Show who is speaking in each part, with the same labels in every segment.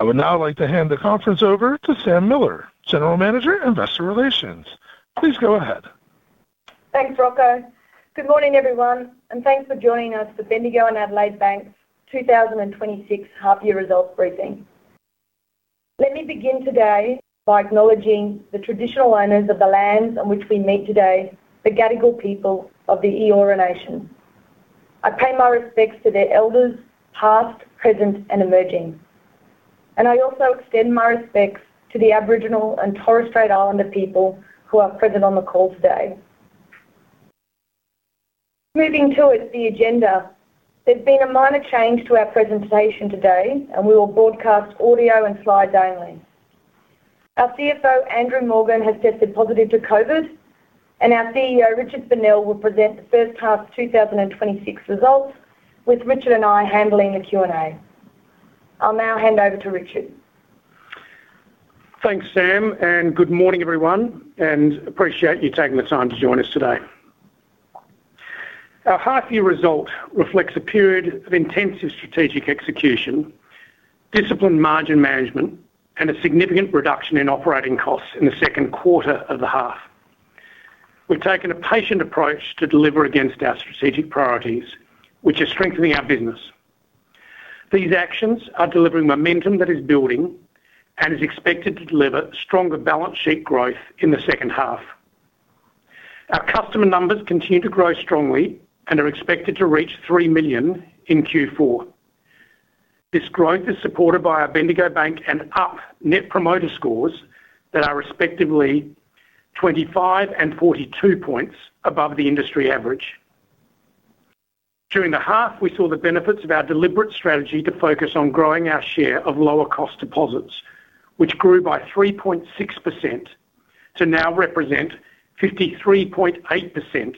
Speaker 1: I would now like to hand the conference over to Sam Miller, General Manager, Investor Relations. Please go ahead.
Speaker 2: Thanks, Rocco. Good morning, everyone, and thanks for joining us for Bendigo and Adelaide Bank's 2026 half year results briefing. Let me begin today by acknowledging the traditional owners of the lands on which we meet today, the Gadigal people of the Eora Nation. I pay my respects to their elders, past, present, and emerging, and I also extend my respects to the Aboriginal and Torres Strait Islander people who are present on the call today. Moving to the agenda, there's been a minor change to our presentation today, and we will broadcast audio and slide daily. Our CFO, Andrew Morgan, has tested positive to COVID, and our CEO, Richard Fennell, will present the first half 2026 results, with Richard and I handling the Q&A. I'll now hand over to Richard.
Speaker 3: Thanks, Sam, and good morning, everyone, and appreciate you taking the time to join us today. Our half year result reflects a period of intensive strategic execution, disciplined margin management, and a significant reduction in operating costs in the Q2 of the half. We've taken a patient approach to deliver against our strategic priorities, which is strengthening our business. These actions are delivering momentum that is building and is expected to deliver stronger balance sheet growth in the second half. Our customer numbers continue to grow strongly and are expected to reach 3 million in Q4. This growth is supported by our Bendigo Bank and Up net promoter scores that are respectively 25 and 42 points above the industry average. During the half, we saw the benefits of our deliberate strategy to focus on growing our share of lower cost deposits, which grew by 3.6% to now represent 53.8%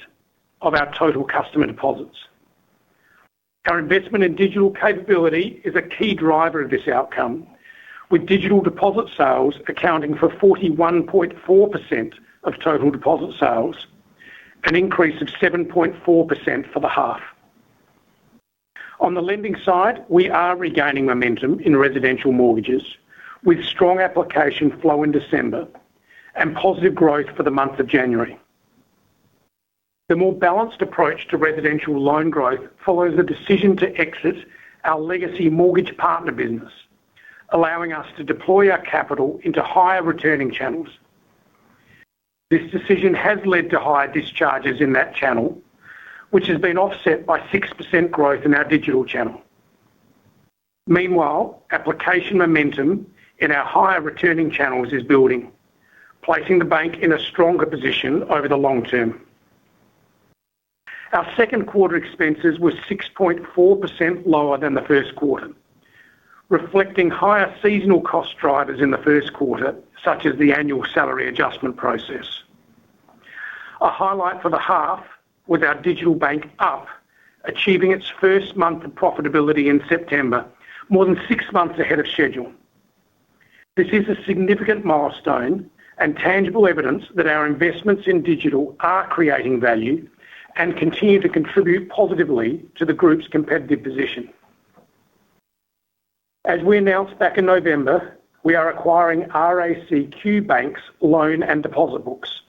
Speaker 3: of our total customer deposits. Our investment in digital capability is a key driver of this outcome, with digital deposit sales accounting for 41.4% of total deposit sales, an increase of 7.4% for the half. On the lending side, we are regaining momentum in residential mortgages, with strong application flow in December and positive growth for the month of January. The more balanced approach to residential loan growth follows a decision to exit our legacy mortgage partner business, allowing us to deploy our capital into higher returning channels. This decision has led to higher discharges in that channel, which has been offset by 6% growth in our digital channel. Meanwhile, application momentum in our higher returning channels is building, placing the bank in a stronger position over the long term. Our Q2 expenses were 6.4% lower than the Q1, reflecting higher seasonal cost drivers in the Q1, such as the annual salary adjustment process. A highlight for the half with our digital bank, Up, achieving its first month of profitability in September, more than 6 months ahead of schedule. This is a significant milestone and tangible evidence that our investments in digital are creating value and continue to contribute positively to the group's competitive position. As we announced back in November, we are acquiring RACQ Bank's loan and deposit books.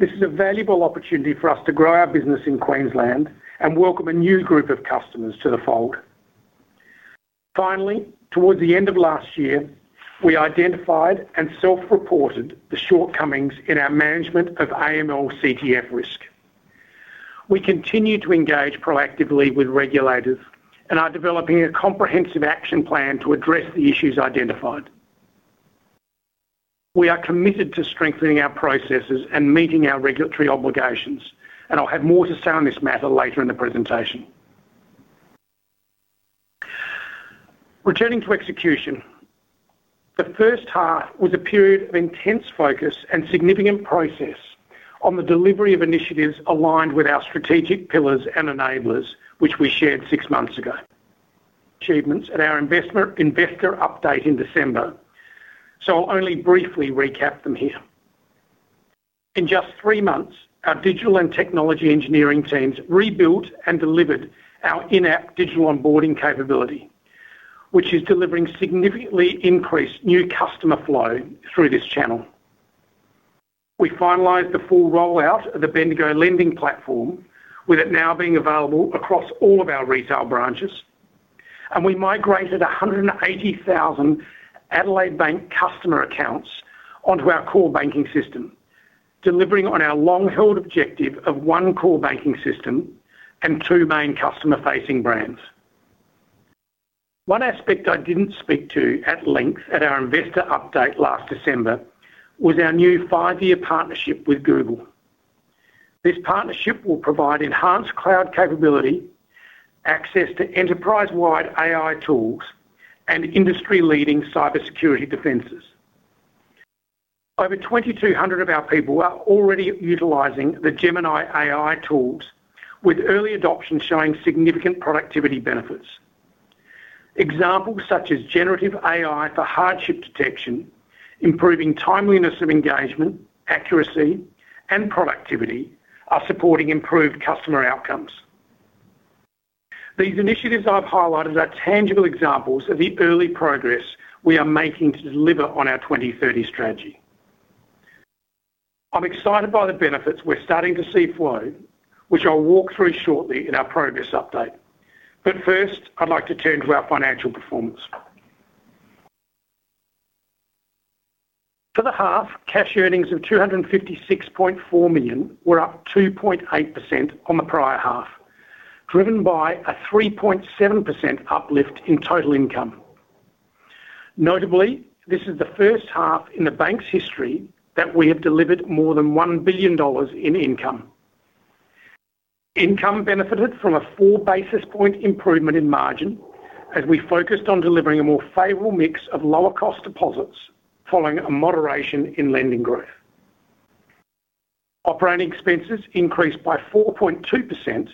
Speaker 3: This is a valuable opportunity for us to grow our business in Queensland and welcome a new group of customers to the fold. Finally, towards the end of last year, we identified and self-reported the shortcomings in our management of AML/CTF risk. We continue to engage proactively with regulators and are developing a comprehensive action plan to address the issues identified. We are committed to strengthening our processes and meeting our regulatory obligations, and I'll have more to say on this matter later in the presentation. Returning to execution, the first half was a period of intense focus and significant process on the delivery of initiatives aligned with our strategic pillars and enablers, which we shared six months ago. Achievements at our investor update in December, so I'll only briefly recap them here. In just 3 months, our digital and technology engineering teams rebuilt and delivered our in-app digital onboarding capability, which is delivering significantly increased new customer flow through this channel. We finalized the full rollout of the Bendigo Lending Platform, with it now being available across all of our retail branches, and we migrated 180,000 Adelaide Bank customer accounts onto our core banking system, delivering on our long-held objective of one core banking system and two main customer-facing brands. One aspect I didn't speak to at length at our investor update last December was our new 5-year partnership with Google. This partnership will provide enhanced cloud capability, access to enterprise-wide AI tools, and industry-leading cybersecurity defenses. Over 2,200 of our people are already utilizing the Gemini AI tools, with early adoption showing significant productivity benefits. Examples such as generative AI for hardship detection, improving timeliness of engagement, accuracy, and productivity are supporting improved customer outcomes.... These initiatives I've highlighted are tangible examples of the early progress we are making to deliver on our 2030 strategy. I'm excited by the benefits we're starting to see flow, which I'll walk through shortly in our progress update. But first, I'd like to turn to our financial performance. For the half, cash earnings of AUD 256.4 million were up 2.8% on the prior half, driven by a 3.7% uplift in total income. Notably, this is the first half in the bank's history that we have delivered more than 1 billion dollars in income. Income benefited from a 4 basis points improvement in margin, as we focused on delivering a more favorable mix of lower cost deposits following a moderation in lending growth. Operating expenses increased by 4.2%,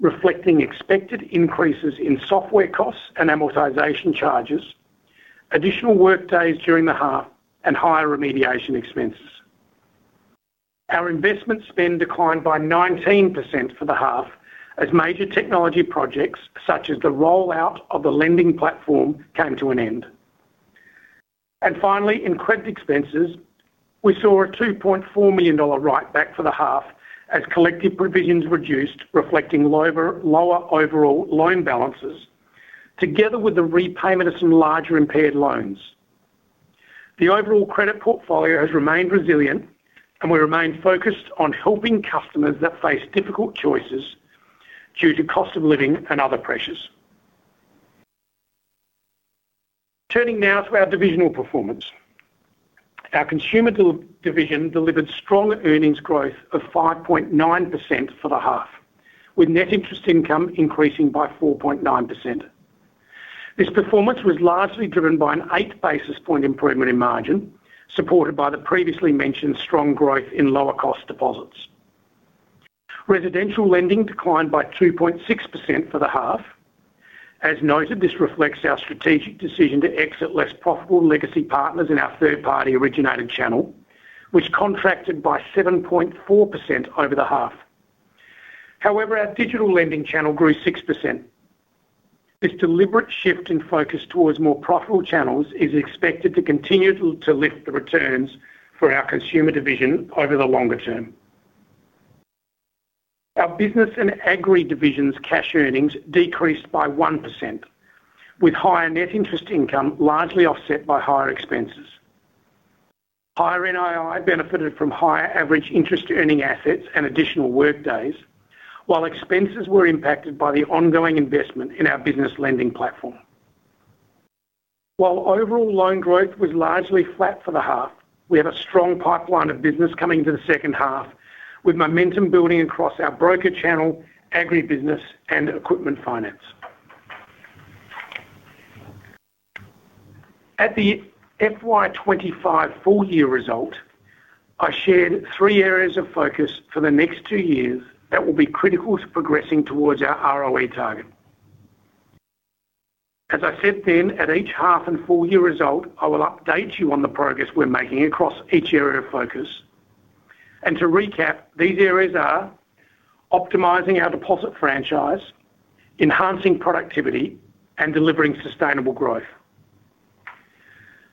Speaker 3: reflecting expected increases in software costs and amortization charges, additional work days during the half, and higher remediation expenses. Our investment spend declined by 19% for the half as major technology projects, such as the rollout of the lending platform, came to an end. And finally, in credit expenses, we saw an 2.4 million dollar write-back for the half as collective provisions reduced, reflecting lower overall loan balances, together with the repayment of some larger impaired loans. The overall credit portfolio has remained resilient, and we remain focused on helping customers that face difficult choices due to cost of living and other pressures. Turning now to our divisional performance. Our consumer division delivered strong earnings growth of 5.9% for the half, with net interest income increasing by 4.9%. This performance was largely driven by an 8 basis point improvement in margin, supported by the previously mentioned strong growth in lower cost deposits. Residential lending declined by 2.6% for the half. As noted, this reflects our strategic decision to exit less profitable legacy partners in our third-party originated channel, which contracted by 7.4% over the half. However, our digital lending channel grew 6%. This deliberate shift in focus towards more profitable channels is expected to continue to lift the returns for our consumer division over the longer term. Our business and Agri division's cash earnings decreased by 1%, with higher net interest income largely offset by higher expenses. Higher NII benefited from higher average interest earning assets and additional work days, while expenses were impacted by the ongoing investment in our business lending platform. While overall loan growth was largely flat for the half, we have a strong pipeline of business coming to the second half, with momentum building across our broker channel, Agribusiness, and equipment finance. At the FY 25 full year result, I shared three areas of focus for the next two years that will be critical to progressing towards our ROE target. As I said then, at each half and full year result, I will update you on the progress we're making across each area of focus. To recap, these areas are: optimizing our deposit franchise, enhancing productivity, and delivering sustainable growth.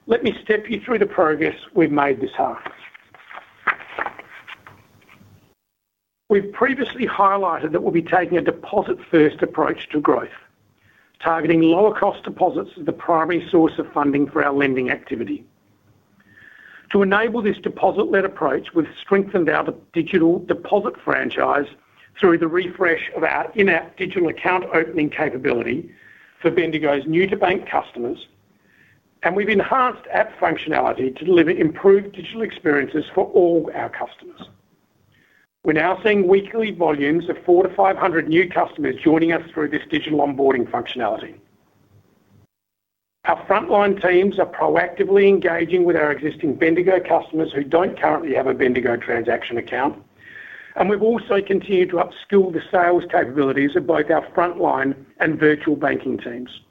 Speaker 3: Let me step you through the progress we've made this half. We've previously highlighted that we'll be taking a deposit-first approach to growth, targeting lower cost deposits as the primary source of funding for our lending activity. To enable this deposit-led approach, we've strengthened our digital deposit franchise through the refresh of our in-app digital account opening capability for Bendigo's new-to-bank customers, and we've enhanced app functionality to deliver improved digital experiences for all our customers. We're now seeing weekly volumes of 400-500 new customers joining us through this digital onboarding functionality. Our frontline teams are proactively engaging with our existing Bendigo customers who don't currently have a Bendigo transaction account, and we've also continued to upskill the sales capabilities of both our frontline and virtual banking teams.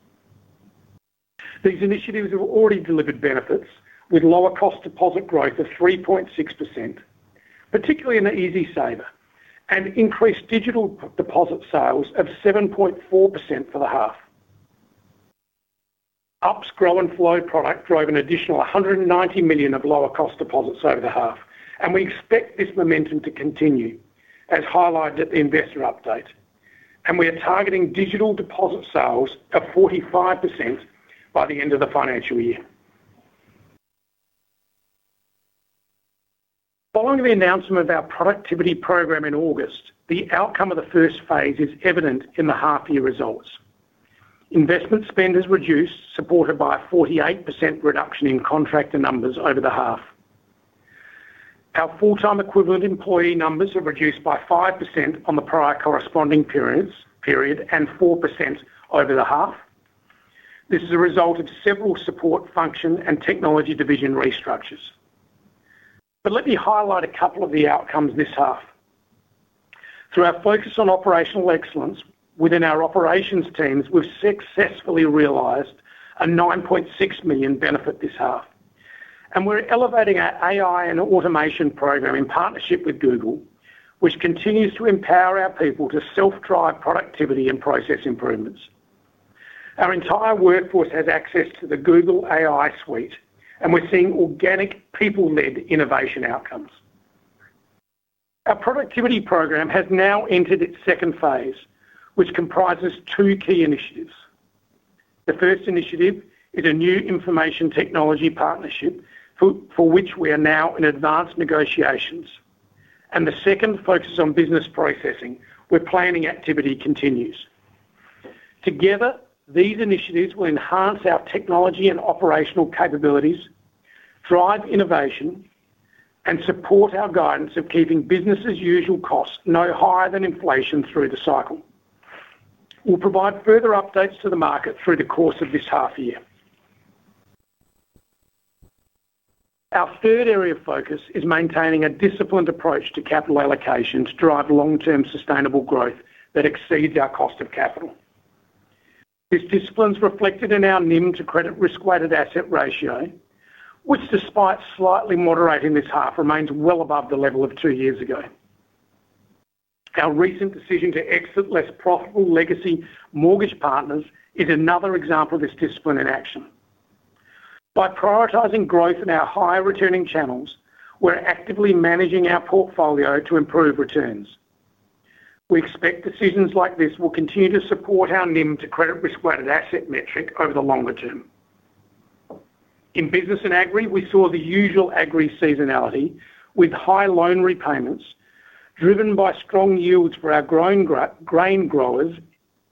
Speaker 3: These initiatives have already delivered benefits with lower cost deposit growth of 3.6%, particularly in the EasySaver, and increased digital deposit sales of 7.4% for the half. Up's Grow and Flow product drove an additional 190 million of lower cost deposits over the half, and we expect this momentum to continue, as highlighted at the investor update. We are targeting digital deposit sales of 45% by the end of the financial year. Following the announcement of our productivity program in August, the outcome of the first phase is evident in the half year results. Investment spend is reduced, supported by a 48% reduction in contractor numbers over the half. Our full-time equivalent employee numbers are reduced by 5% on the prior corresponding period, and 4% over the half. This is a result of several support function and technology division restructures. But let me highlight a couple of the outcomes this half. Through our focus on operational excellence within our operations teams, we've successfully realized an 9.6 million benefit this half. And we're elevating our AI and automation program in partnership with Google, which continues to empower our people to self-drive productivity and process improvements. Our entire workforce has access to the Google AI Suite, and we're seeing organic, people-led innovation outcomes. Our productivity program has now entered its second phase, which comprises two key initiatives. The first initiative is a new information technology partnership, for which we are now in advanced negotiations, and the second focuses on business processing, where planning activity continues. Together, these initiatives will enhance our technology and operational capabilities, drive innovation, and support our guidance of keeping business as usual costs no higher than inflation through the cycle. We'll provide further updates to the market through the course of this half year. Our third area of focus is maintaining a disciplined approach to capital allocations to drive long-term sustainable growth that exceeds our cost of capital. This discipline is reflected in our NIM to credit risk-weighted asset ratio, which despite slightly moderating this half, remains well above the level of two years ago. Our recent decision to exit less profitable legacy mortgage partners is another example of this discipline in action. By prioritizing growth in our higher-returning channels, we're actively managing our portfolio to improve returns. We expect decisions like this will continue to support our NIM to credit risk-weighted asset metric over the longer term. In business and Agri, we saw the usual Agri seasonality, with high loan repayments driven by strong yields for our grain growers,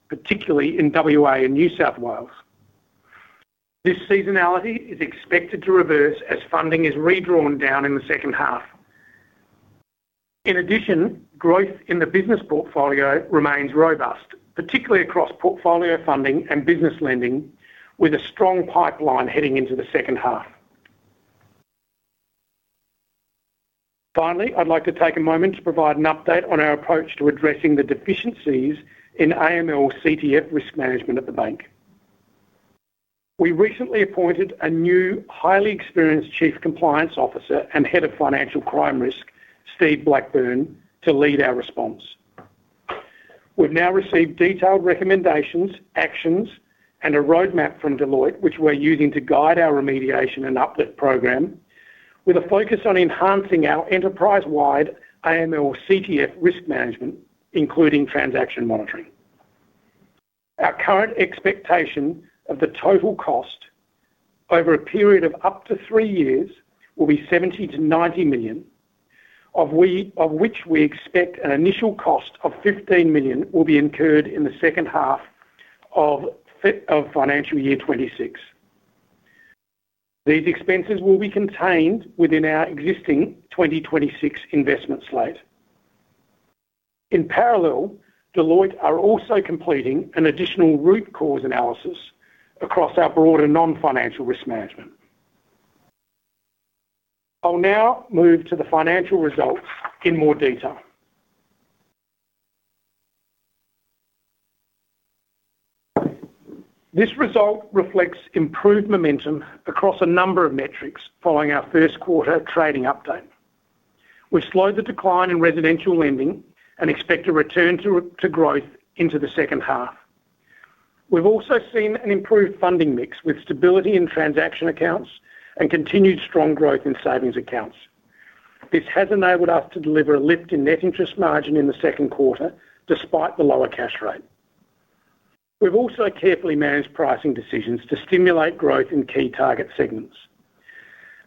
Speaker 3: particularly in WA and New South Wales. This seasonality is expected to reverse as funding is redrawn down in the second half. In addition, growth in the business portfolio remains robust, particularly across portfolio funding and business lending, with a strong pipeline heading into the second half. Finally, I'd like to take a moment to provide an update on our approach to addressing the deficiencies in AML/CTF risk management at the bank. We recently appointed a new, highly experienced Chief Compliance Officer and Head of Financial Crime Risk, Steve Blackburn, to lead our response. We've now received detailed recommendations, actions, and a roadmap from Deloitte, which we're using to guide our remediation and uplift program, with a focus on enhancing our enterprise-wide AML/CTF risk management, including transaction monitoring. Our current expectation of the total cost over a period of up to three years will be 70 million-90 million, of which we expect an initial cost of 15 million will be incurred in the second half of financial year 2026. These expenses will be contained within our existing 2026 investment slate. In parallel, Deloitte are also completing an additional root cause analysis across our broader non-financial risk management. I'll now move to the financial results in more detail. This result reflects improved momentum across a number of metrics following our Q1 trading update. We slowed the decline in residential lending and expect a return to growth into the second half. We've also seen an improved funding mix, with stability in transaction accounts and continued strong growth in savings accounts. This has enabled us to deliver a lift in net interest margin in the Q2, despite the lower cash rate. We've also carefully managed pricing decisions to stimulate growth in key target segments,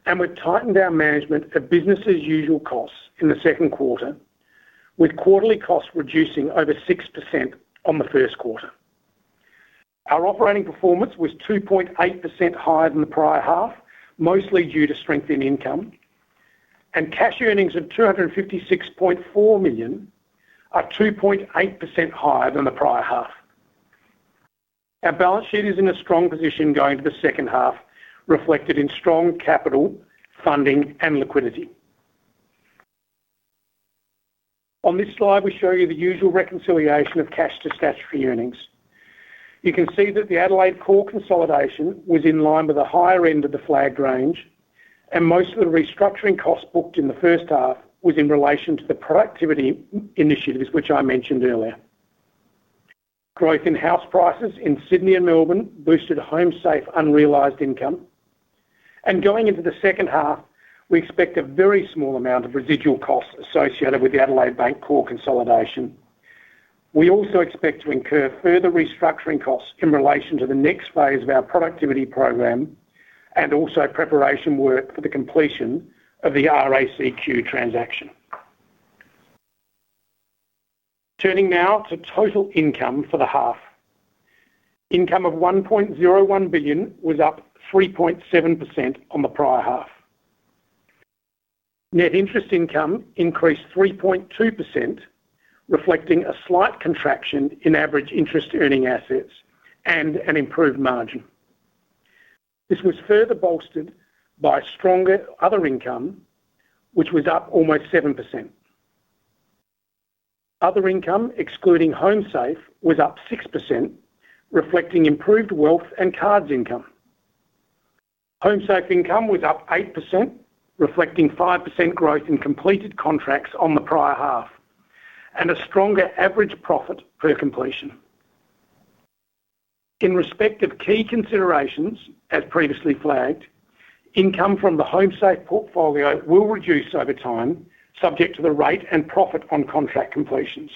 Speaker 3: and we've tightened our management of business as usual costs in the Q2, with quarterly costs reducing over 6% on the Q1. Our operating performance was 2.8% higher than the prior half, mostly due to strength in income, and cash earnings of AUD 256.4 million are 2.8% higher than the prior half. Our balance sheet is in a strong position going to the second half, reflected in strong capital, funding, and liquidity. On this slide, we show you the usual reconciliation of cash to statutory earnings. You can see that the Adelaide core consolidation was in line with the higher end of the flagged range, and most of the restructuring costs booked in the first half was in relation to the productivity initiatives, which I mentioned earlier. Growth in house prices in Sydney and Melbourne boosted HomeSafe unrealized income, and going into the second half, we expect a very small amount of residual costs associated with the Adelaide Bank core consolidation. We also expect to incur further restructuring costs in relation to the next phase of our productivity program and also preparation work for the completion of the RACQ transaction. Turning now to total income for the half. Income of 1.01 billion was up 3.7% on the prior half. Net interest income increased 3.2%, reflecting a slight contraction in average interest earning assets and an improved margin. This was further bolstered by stronger other income, which was up almost 7%. Other income, excluding HomeSafe, was up 6%, reflecting improved wealth and cards income. HomeSafe income was up 8%, reflecting 5% growth in completed contracts on the prior half, and a stronger average profit per completion. In respect of key considerations, as previously flagged, income from the HomeSafe portfolio will reduce over time, subject to the rate and profit on contract completions.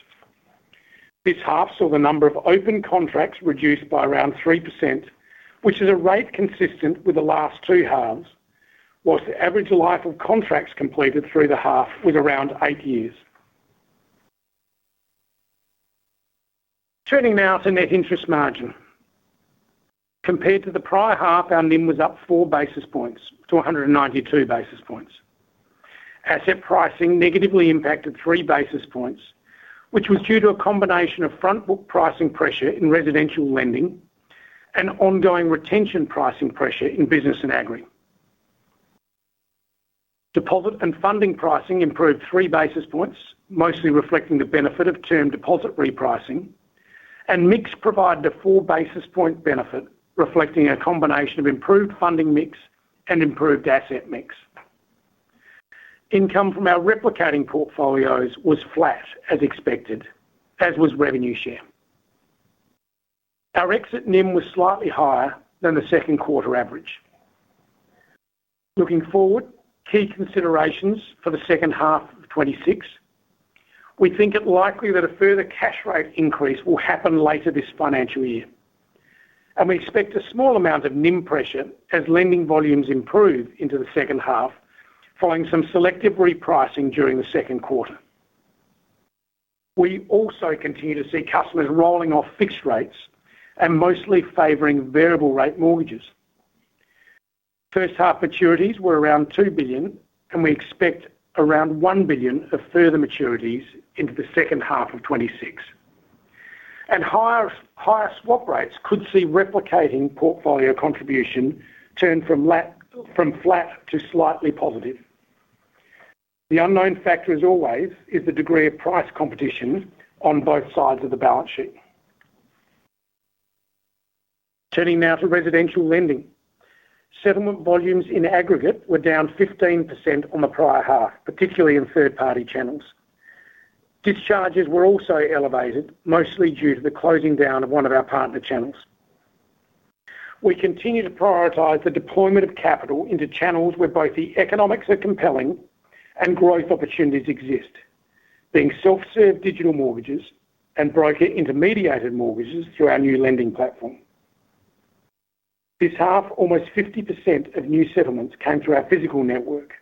Speaker 3: This half saw the number of open contracts reduced by around 3%, which is a rate consistent with the last 2 halves, while the average life of contracts completed through the half was around 8 years. Turning now to net interest margin. Compared to the prior half, our NIM was up 4 basis points to 192 basis points. Asset pricing negatively impacted 3 basis points, which was due to a combination of front book pricing pressure in residential lending and ongoing retention pricing pressure in business and Agri. Deposit and funding pricing improved 3 basis points, mostly reflecting the benefit of term deposit repricing, and mix provided a 4 basis point benefit, reflecting a combination of improved funding mix and improved asset mix. Income from our replicating portfolios was flat, as expected, as was revenue share. Our exit NIM was slightly higher than the Q2 average. Looking forward, key considerations for the second half of 2026, we think it likely that a further cash rate increase will happen later this financial year, and we expect a small amount of NIM pressure as lending volumes improve into the second half, following some selective repricing during the Q2. We also continue to see customers rolling off fixed rates and mostly favoring variable rate mortgages. First half maturities were around 2 billion, and we expect around 1 billion of further maturities into the second half of 2026. And higher, higher swap rates could see replicating portfolio contribution turn from from flat to slightly positive. The unknown factor, as always, is the degree of price competition on both sides of the balance sheet. Turning now to residential lending. Settlement volumes in aggregate were down 15% on the prior half, particularly in third-party channels. Discharges were also elevated, mostly due to the closing down of one of our partner channels. We continue to prioritize the deployment of capital into channels where both the economics are compelling and growth opportunities exist, being self-serve digital mortgages and broker-intermediated mortgages through our new lending platform. This half, almost 50% of new settlements came through our physical network,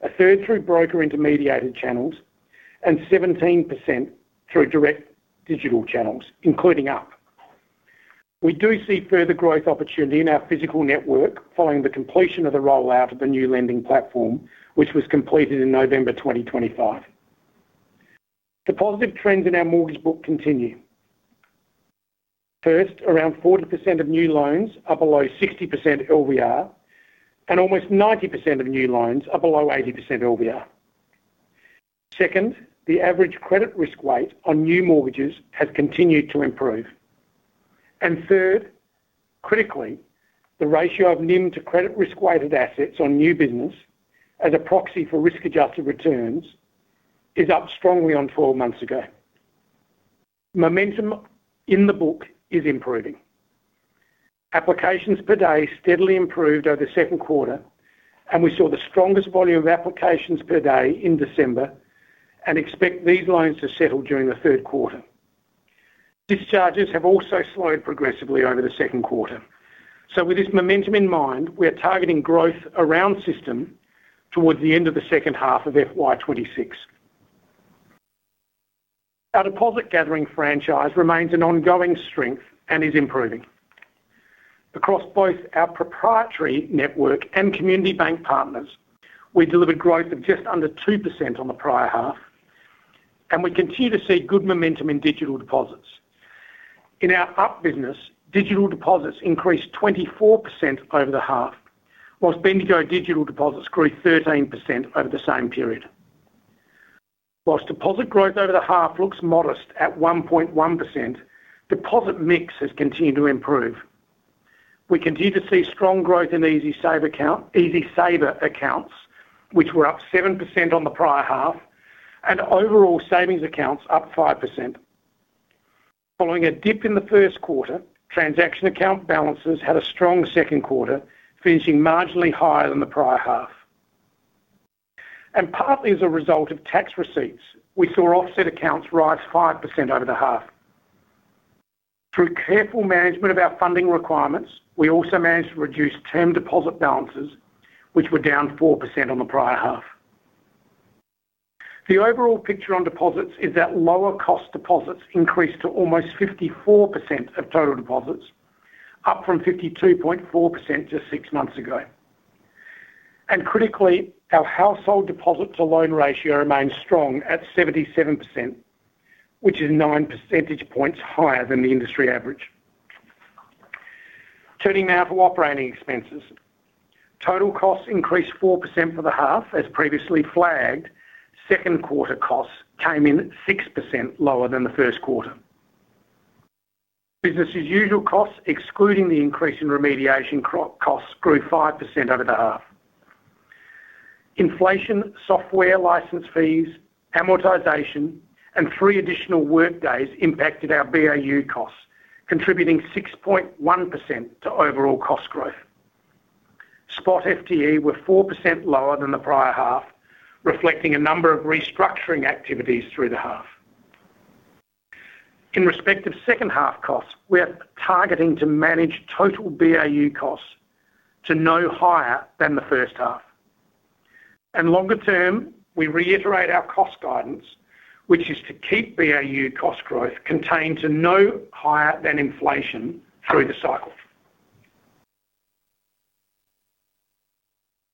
Speaker 3: a third through broker-intermediated channels, and 17% through direct digital channels, including Up. We do see further growth opportunity in our physical network following the completion of the rollout of the new lending platform, which was completed in November 2025. The positive trends in our mortgage book continue. First, around 40% of new loans are below 60% LVR, and almost 90% of new loans are below 80% LVR. Second, the average credit risk weight on new mortgages has continued to improve. And third, critically, the ratio of NIM to credit risk-weighted assets on new business, as a proxy for risk-adjusted returns, is up strongly on 4 months ago. Momentum in the book is improving. Applications per day steadily improved over the Q2, and we saw the strongest volume of applications per day in December and expect these loans to settle during the Q3. Discharges have also slowed progressively over the Q2. So with this momentum in mind, we are targeting growth around system towards the end of the second half of FY 2026. Our deposit gathering franchise remains an ongoing strength and is improving. Across both our proprietary network and community bank partners, we delivered growth of just under 2% on the prior half, and we continue to see good momentum in digital deposits. In our Up business, digital deposits increased 24% over the half, while Bendigo digital deposits grew 13% over the same period. While deposit growth over the half looks modest at 1.1%, deposit mix has continued to improve. We continue to see strong growth in EasySaver accounts, which were up 7% on the prior half, and overall savings accounts up 5%. Following a dip in the Q1, transaction account balances had a strong Q2, finishing marginally higher than the prior half. And partly as a result of tax receipts, we saw offset accounts rise 5% over the half. Through careful management of our funding requirements, we also managed to reduce term deposit balances, which were down 4% on the prior half. The overall picture on deposits is that lower cost deposits increased to almost 54% of total deposits, up from 52.4% just six months ago. And critically, our household deposit-to-loan ratio remains strong at 77%, which is nine percentage points higher than the industry average. Turning now to operating expenses. Total costs increased 4% for the half, as previously flagged. Q2 costs came in 6% lower than the Q1. Business as usual costs, excluding the increase in remediation costs, grew 5% over the half. Inflation, software license fees, amortization, and 3 additional work days impacted our BAU costs, contributing 6.1% to overall cost growth. Spot FTE were 4% lower than the prior half, reflecting a number of restructuring activities through the half. In respect of second half costs, we are targeting to manage total BAU costs to no higher than the first half. Longer term, we reiterate our cost guidance, which is to keep BAU cost growth contained to no higher than inflation through the cycle.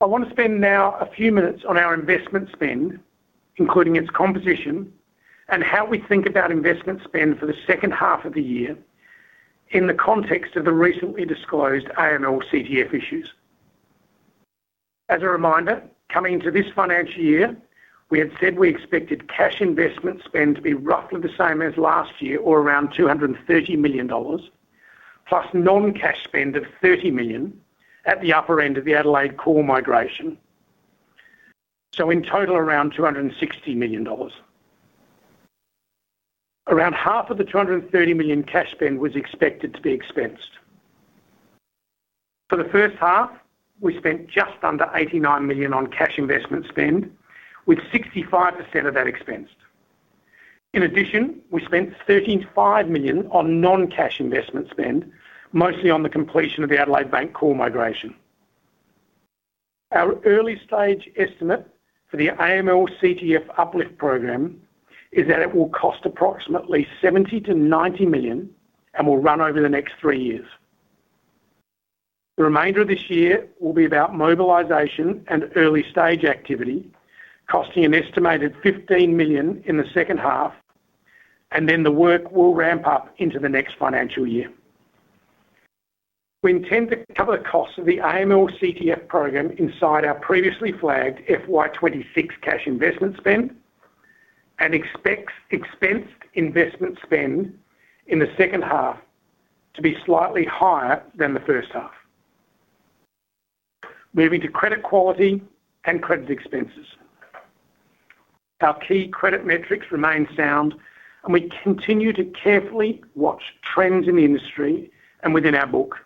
Speaker 3: I want to spend now a few minutes on our investment spend, including its composition and how we think about investment spend for the second half of the year in the context of the recently disclosed AML/CTF issues. As a reminder, coming into this financial year, we had said we expected cash investment spend to be roughly the same as last year or around 230 million dollars, plus non-cash spend of 30 million at the upper end of the Adelaide core migration. In total, around 260 million dollars. Around half of the 230 million cash spend was expected to be expensed. For the first half, we spent just under 89 million on cash investment spend, with 65% of that expensed. In addition, we spent 35 million on non-cash investment spend, mostly on the completion of the Adelaide Bank core migration. Our early stage estimate for the AML/CTF uplift program is that it will cost approximately 70-90 million and will run over the next three years. The remainder of this year will be about mobilization and early stage activity, costing an estimated 15 million in the second half, and then the work will ramp up into the next financial year. We intend to cover the costs of the AML/CTF program inside our previously flagged FY 2026 cash investment spend and expects expensed investment spend in the second half to be slightly higher than the first half. Moving to credit quality and credit expenses. Our key credit metrics remain sound, and we continue to carefully watch trends in the industry and within our book.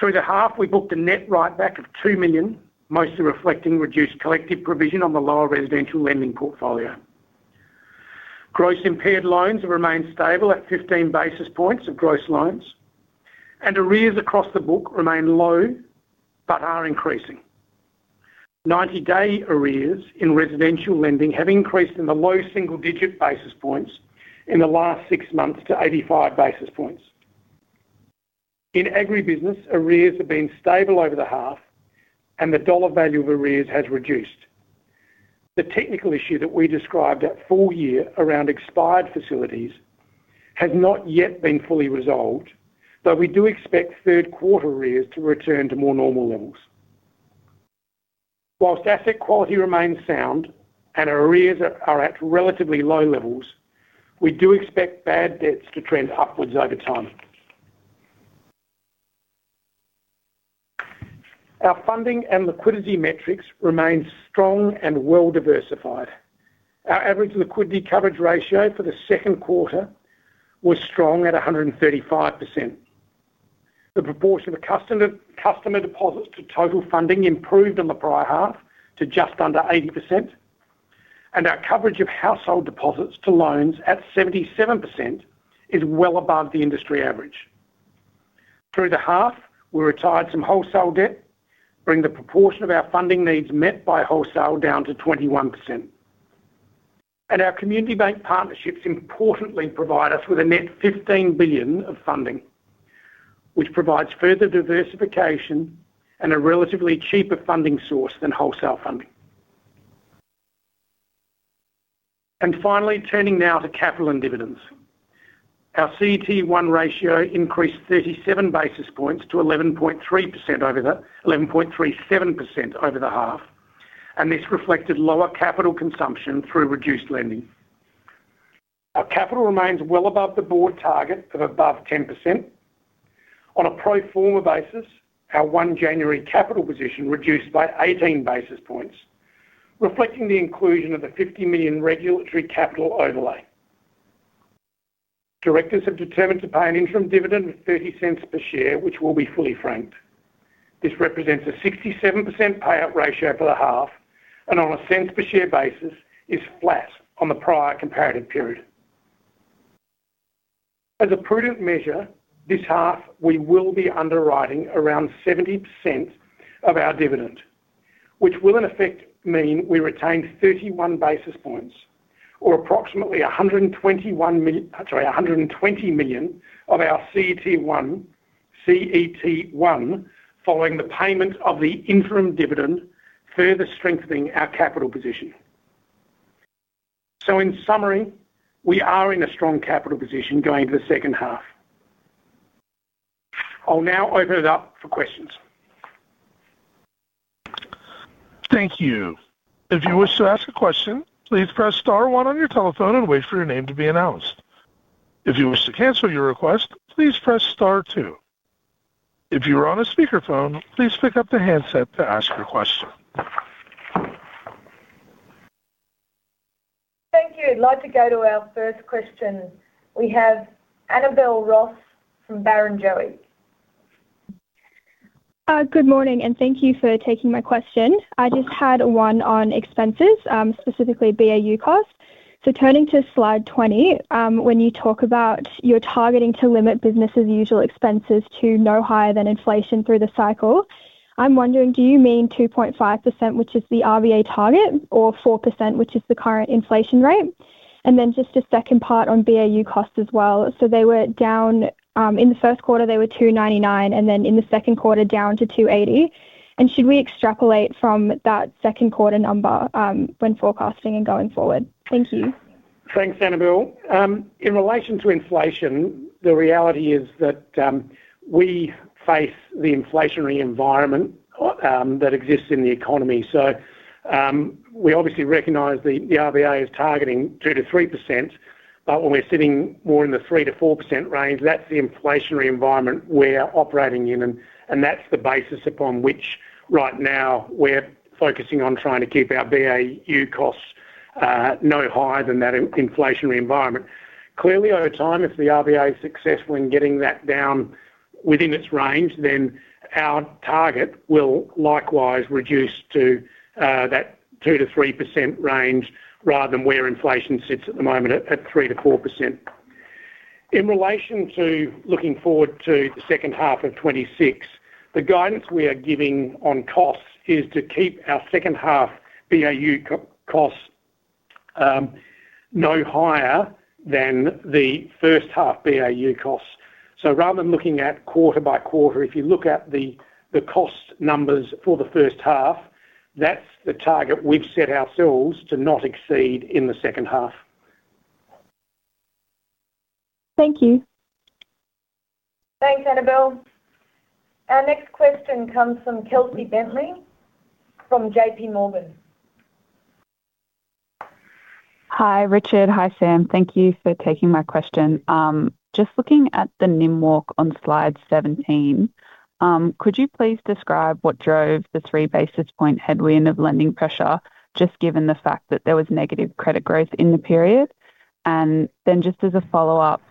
Speaker 3: Through the half, we booked a net write back of 2 million, mostly reflecting reduced collective provision on the lower residential lending portfolio. Gross impaired loans have remained stable at 15 basis points of gross loans, and arrears across the book remain low, but are increasing. Ninety-day arrears in residential lending have increased in the low single-digit basis points in the last 6 months to 85 basis points. In Agribusiness, arrears have been stable over the half, and the dollar value of arrears has reduced. The technical issue that we described at full year around expired facilities has not yet been fully resolved, but we do expect Q3 arrears to return to more normal levels. While asset quality remains sound and arrears are at relatively low levels, we do expect bad debts to trend upwards over time. Our funding and liquidity metrics remain strong and well-diversified. Our average liquidity coverage ratio for the Q2 was strong at 135%. The proportion of customer deposits to total funding improved in the prior half to just under 80%, and our coverage of household deposits to loans at 77% is well above the industry average. Through the half, we retired some wholesale debt, bringing the proportion of our funding needs met by wholesale down to 21%. Our Community Bank partnerships importantly provide us with a net 15 billion of funding, which provides further diversification and a relatively cheaper funding source than wholesale funding. Finally, turning now to capital and dividends. Our CET1 ratio increased 37 basis points to 11.37% over the half, and this reflected lower capital consumption through reduced lending. Our capital remains well above the board target of above 10%. On a pro forma basis, our 1 January capital position reduced by 18 basis points, reflecting the inclusion of the 50 million regulatory capital overlay. Directors have determined to pay an interim dividend of 0.30 per share, which will be fully franked. This represents a 67% payout ratio for the half, and on a cents per share basis, is flat on the prior comparative period. As a prudent measure, this half, we will be underwriting around 70% of our dividend, which will in effect mean we retain 31 basis points or approximately 120 million of our CET1 following the payment of the interim dividend, further strengthening our capital position. So in summary, we are in a strong capital position going into the second half. I'll now open it up for questions.
Speaker 1: Thank you. If you wish to ask a question, please press star one on your telephone and wait for your name to be announced. If you wish to cancel your request, please press star two. If you are on a speakerphone, please pick up the handset to ask your question.
Speaker 2: Thank you. I'd like to go to our first question. We have Annabel Ross from Barrenjoey.
Speaker 4: Good morning, and thank you for taking my question. I just had one on expenses, specifically BAU costs. Turning to slide 20, when you talk about you're targeting to limit business as usual expenses to no higher than inflation through the cycle, I'm wondering, do you mean 2.5%, which is the RBA target, or 4%, which is the current inflation rate? And then just a second part on BAU costs as well. They were down in the Q1, they were 299, and then in the Q2, down to 280. And should we extrapolate from that Q2 number, when forecasting and going forward? Thank you.
Speaker 3: Thanks, Annabel. In relation to inflation, the reality is that we face the inflationary environment that exists in the economy. So, we obviously recognize the RBA is targeting 2%-3%, but when we're sitting more in the 3%-4% range, that's the inflationary environment we're operating in, and that's the basis upon which right now we're focusing on trying to keep our BAU costs no higher than that in inflationary environment. Clearly, over time, if the RBA is successful in getting that down within its range, then our target will likewise reduce to that 2%-3% range rather than where inflation sits at the moment at 3%-4%. In relation to looking forward to the second half of 2026, the guidance we are giving on costs is to keep our second half BAU core costs no higher than the first half BAU costs. So rather than looking at quarter-by-quarter, if you look at the cost numbers for the first half, that's the target we've set ourselves to not exceed in the second half.
Speaker 4: Thank you.
Speaker 2: Thanks, Annabel. Our next question comes from Kelsey Bentley, from JP Morgan.
Speaker 5: Hi, Richard. Hi, Sam. Thank you for taking my question. Just looking at the NIM walk on slide 17, could you please describe what drove the 3 basis point headwind of lending pressure, just given the fact that there was negative credit growth in the period? And then just as a follow-up,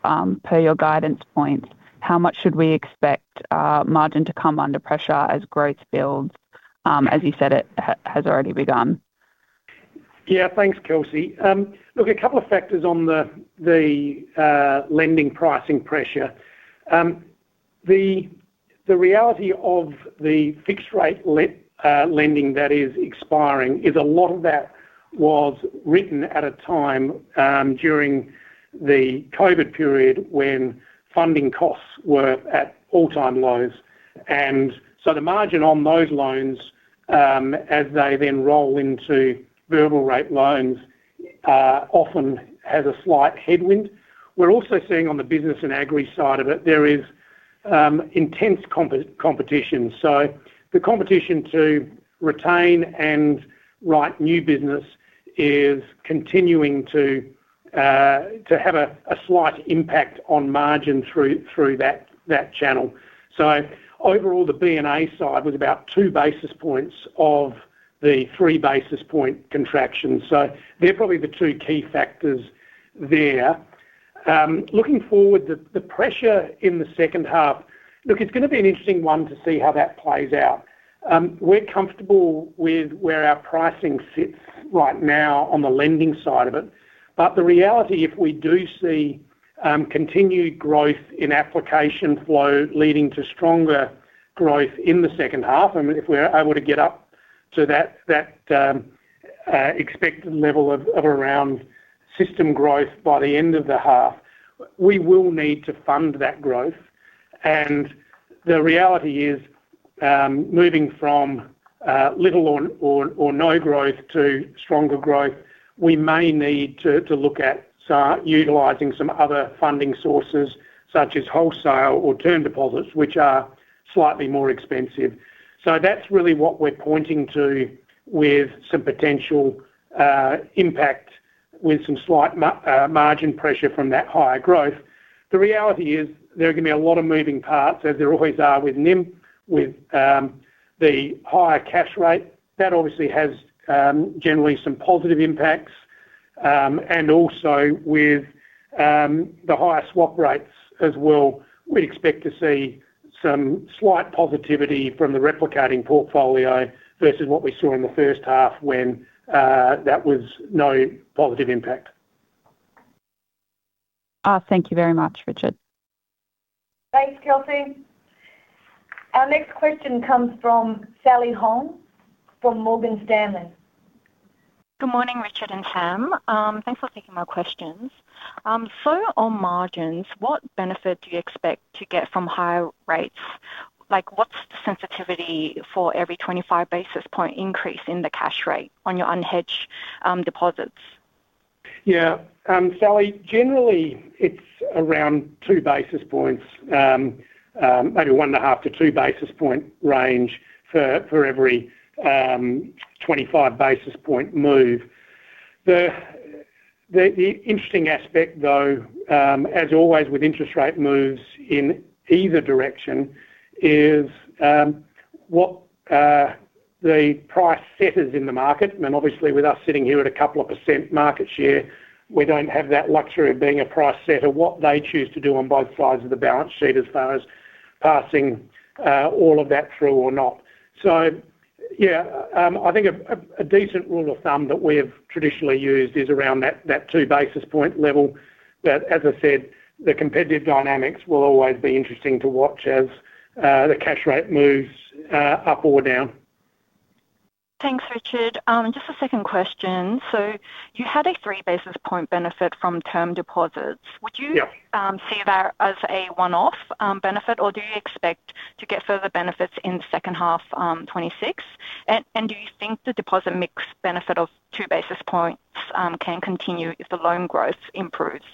Speaker 5: per your guidance points, how much should we expect, margin to come under pressure as growth builds? As you said, it has already begun.
Speaker 3: Yeah, thanks, Kelsey. Look, a couple of factors on the lending pricing pressure. The reality of the fixed rate lending that is expiring is a lot of that was written at a time during the COVID period when funding costs were at all-time lows. And so the margin on those loans as they then roll into variable rate loans often has a slight headwind. We're also seeing on the business and Agri side of it, there is intense competition. So the competition to retain and write new business is continuing to have a slight impact on margin through that channel. So overall, the B&A side was about 2 basis points of the 3 basis point contraction. So they're probably the two key factors there. Looking forward, the pressure in the second half... Look, it's gonna be an interesting one to see how that plays out. We're comfortable with where our pricing sits right now on the lending side of it. But the reality, if we do see continued growth in application flow leading to stronger growth in the second half, and if we're able to get up to that expected level of around system growth by the end of the half, we will need to fund that growth. And the reality is, moving from little or no growth to stronger growth, we may need to look at utilizing some other funding sources, such as wholesale or term deposits, which are slightly more expensive. So that's really what we're pointing to with some potential impact, with some slight margin pressure from that higher growth. The reality is, there are gonna be a lot of moving parts, as there always are with NIM, with the higher cash rate. That obviously has generally some positive impacts, and also with the higher swap rates as well. We'd expect to see some slight positivity from the replicating portfolio versus what we saw in the first half when that was no positive impact.
Speaker 5: Thank you very much, Richard.
Speaker 2: Thanks, Kelsey. Our next question comes from Sally Hong, from Morgan Stanley.
Speaker 6: Good morning, Richard and Sam. Thanks for taking my questions. So on margins, what benefit do you expect to get from higher rates? Like, what's the sensitivity for every 25 basis point increase in the cash rate on your unhedged, deposits?
Speaker 3: Yeah, Sally, generally it's around 2 basis points, maybe 1.5-2 basis point range for every 25 basis point move. The interesting aspect, though, as always, with interest rate moves in either direction, is what the price setters in the market, and obviously with us sitting here at a couple of percent market share, we don't have that luxury of being a price setter. What they choose to do on both sides of the balance sheet as far as passing all of that through or not. So yeah, I think a decent rule of thumb that we have traditionally used is around that 2 basis point level, but as I said, the competitive dynamics will always be interesting to watch as the cash rate moves up or down.
Speaker 6: Thanks, Richard. Just a second question. So you had a 3 basis point benefit from term deposits.
Speaker 3: Yep.
Speaker 6: Would you see that as a one-off benefit, or do you expect to get further benefits in the second half, 2026? And do you think the deposit mix benefit of two basis points can continue if the loan growth improves?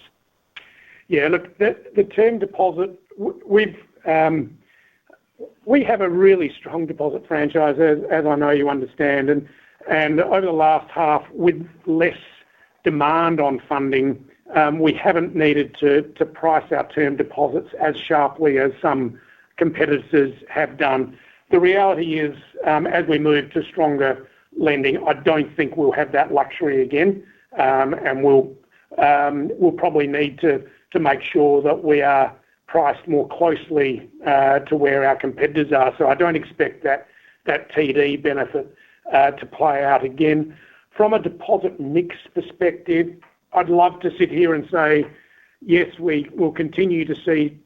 Speaker 3: Yeah, look, the term deposit, we've... We have a really strong deposit franchise, as I know you understand, and over the last half, with less demand on funding, we haven't needed to price our term deposits as sharply as some competitors have done. The reality is, as we move to stronger lending, I don't think we'll have that luxury again, and we'll probably need to make sure that we are priced more closely to where our competitors are. So I don't expect that TD benefit to play out again. From a deposit mix perspective, I'd love to sit here and say, "Yes, we will continue to see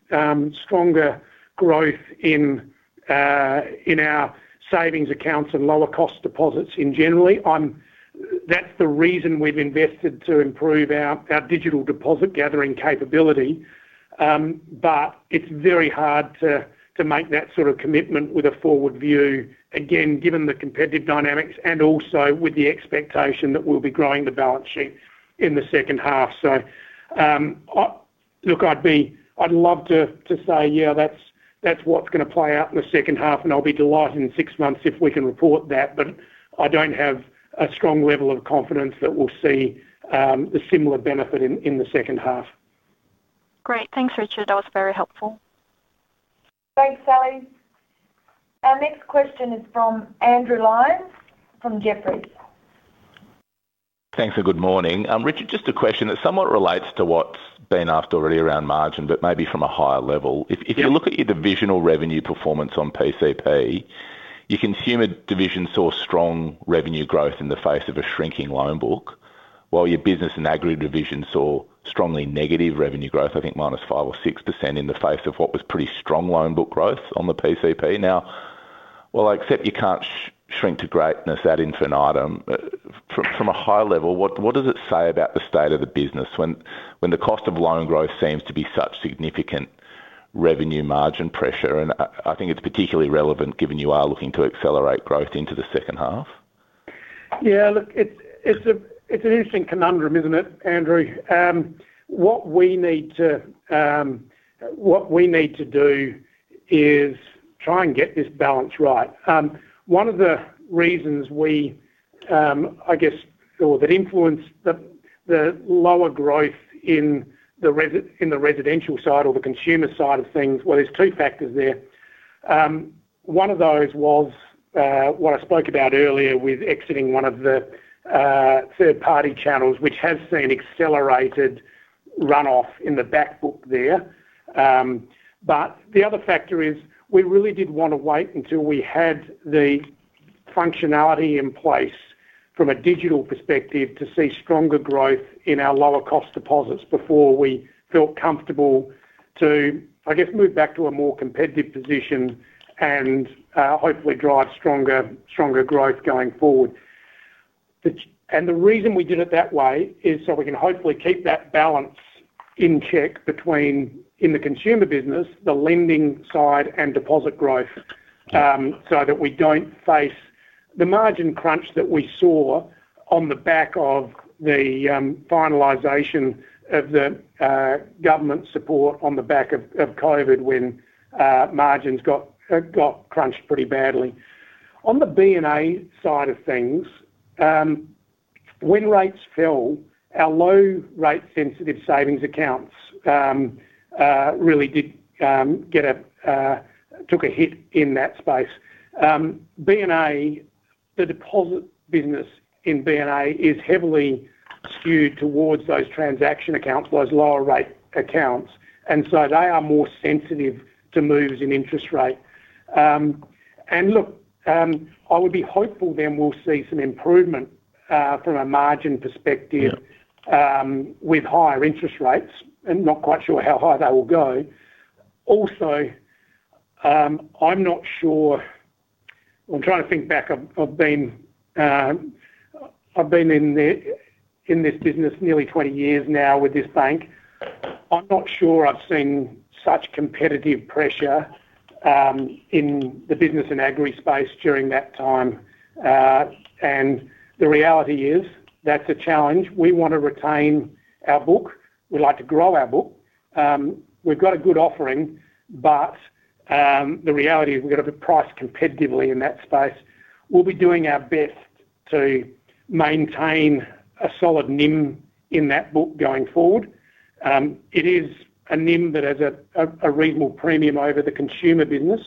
Speaker 3: stronger growth in our savings accounts and lower cost deposits in general." That's the reason we've invested to improve our digital deposit-gathering capability. But it's very hard to make that sort of commitment with a forward view, again, given the competitive dynamics and also with the expectation that we'll be growing the balance sheet in the second half. So, Look, I'd be... I'd love to say, "Yeah, that's what's gonna play out in the second half," and I'll be delighted in six months if we can report that, but I don't have a strong level of confidence that we'll see a similar benefit in the second half.
Speaker 6: Great. Thanks, Richard. That was very helpful.
Speaker 2: Thanks, Sally. Our next question is from Andrew Lyons, from Jefferies.
Speaker 7: Thanks, and good morning. Richard, just a question that somewhat relates to what's been asked already around margin, but maybe from a higher level.
Speaker 3: Yep.
Speaker 7: If you look at your divisional revenue performance on PCP, your consumer division saw strong revenue growth in the face of a shrinking loan book, while your business and Agri division saw strongly negative revenue growth, I think minus 5 or 6% in the face of what was pretty strong loan book growth on the PCP. Now, while I accept you can't shrink to greatness, ad infinitum, from a high level, what does it say about the state of the business when the cost of loan growth seems to be such significant revenue margin pressure? And I think it's particularly relevant, given you are looking to accelerate growth into the second half.
Speaker 3: Yeah, look, it's an interesting conundrum, isn't it, Andrew? What we need to do is try and get this balance right. One of the reasons, I guess, or that influenced the lower growth in the residential side or the consumer side of things, well, there's two factors there. One of those was what I spoke about earlier with exiting one of the third-party channels, which has seen accelerated runoff in the back book there. But the other factor is, we really did want to wait until we had the functionality in place from a digital perspective, to see stronger growth in our lower cost deposits before we felt comfortable to, I guess, move back to a more competitive position and hopefully drive stronger growth going forward. The reason we did it that way is so we can hopefully keep that balance in check between, in the consumer business, the lending side and deposit growth, so that we don't face the margin crunch that we saw on the back of the finalization of the government support on the back of COVID, when margins got crunched pretty badly. On the B&A side of things, when rates fell, our low rate-sensitive savings accounts really did take a hit in that space. B&A, the deposit business in B&A is heavily skewed towards those transaction accounts, those lower rate accounts, and so they are more sensitive to moves in interest rate. And look, I would be hopeful then we'll see some improvement from a margin perspective-
Speaker 7: Yeah
Speaker 3: With higher interest rates, and not quite sure how high they will go. Also, I'm trying to think back. I've been in this business nearly 20 years now with this bank. I'm not sure I've seen such competitive pressure in the business and Agri space during that time. And the reality is, that's a challenge. We want to retain our book, we like to grow our book. We've got a good offering, but the reality is we've got to be priced competitively in that space. We'll be doing our best to maintain a solid NIM in that book going forward. It is a NIM that has a reasonable premium over the consumer business.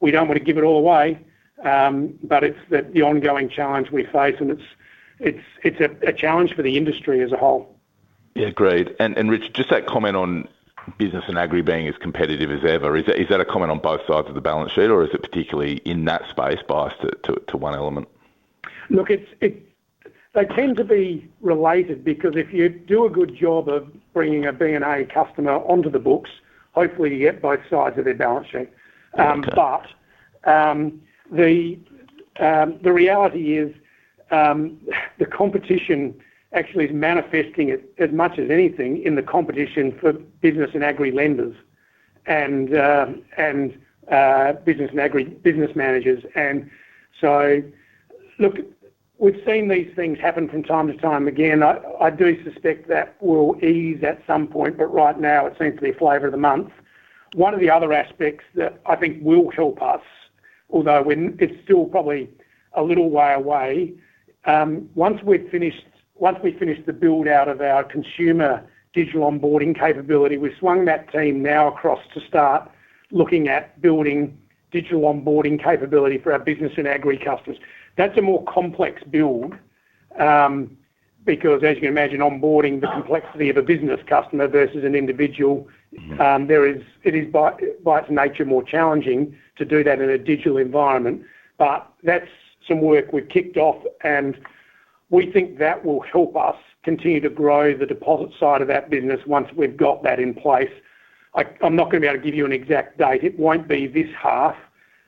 Speaker 3: We don't want to give it all away, but it's the ongoing challenge we face, and it's a challenge for the industry as a whole.
Speaker 7: Yeah, agreed. Rich, just that comment on business and Agri being as competitive as ever, is that a comment on both sides of the balance sheet, or is it particularly in that space biased to one element?
Speaker 3: Look, it's they tend to be related, because if you do a good job of bringing a B&A customer onto the books, hopefully you get both sides of their balance sheet.
Speaker 7: Okay.
Speaker 3: But, the reality is, the competition actually is manifesting as, as much as anything in the competition for business and Agribusiness lenders and, and, business and Agribusiness managers. And so, look, we've seen these things happen from time to time. Again, I do suspect that will ease at some point, but right now it seems to be a flavor of the month. One of the other aspects that I think will help us, although when it's still probably a little way away, once we finish the build-out of our consumer digital onboarding capability, we've swung that team now across to start looking at building digital onboarding capability for our business and Agribusiness customers. That's a more complex build, because as you can imagine, onboarding the complexity of a business customer versus an individual.
Speaker 7: Mm-hmm.
Speaker 3: There is, it is by, by its nature, more challenging to do that in a digital environment. But that's some work we've kicked off, and we think that will help us continue to grow the deposit side of that business once we've got that in place. I, I'm not going to be able to give you an exact date. It won't be this half,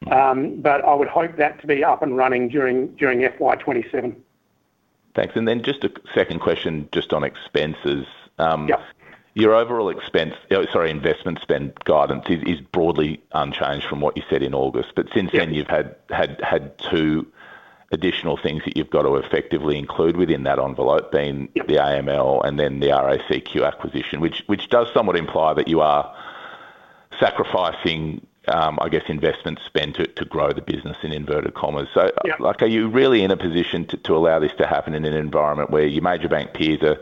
Speaker 3: but I would hope that to be up and running during, during FY 2027.
Speaker 7: Thanks. And then just a second question, just on expenses.
Speaker 3: Yep.
Speaker 7: Your overall expense, investment spend guidance is broadly unchanged from what you said in August.
Speaker 3: Yep.
Speaker 7: But since then, you've had two additional things that you've got to effectively include within that envelope, being-
Speaker 3: Yep
Speaker 7: The AML and then the RACQ acquisition, which does somewhat imply that you are sacrificing, I guess, investment spend to grow the business in inverted commas.
Speaker 3: Yep.
Speaker 7: So, like, are you really in a position to allow this to happen in an environment where your major bank peers are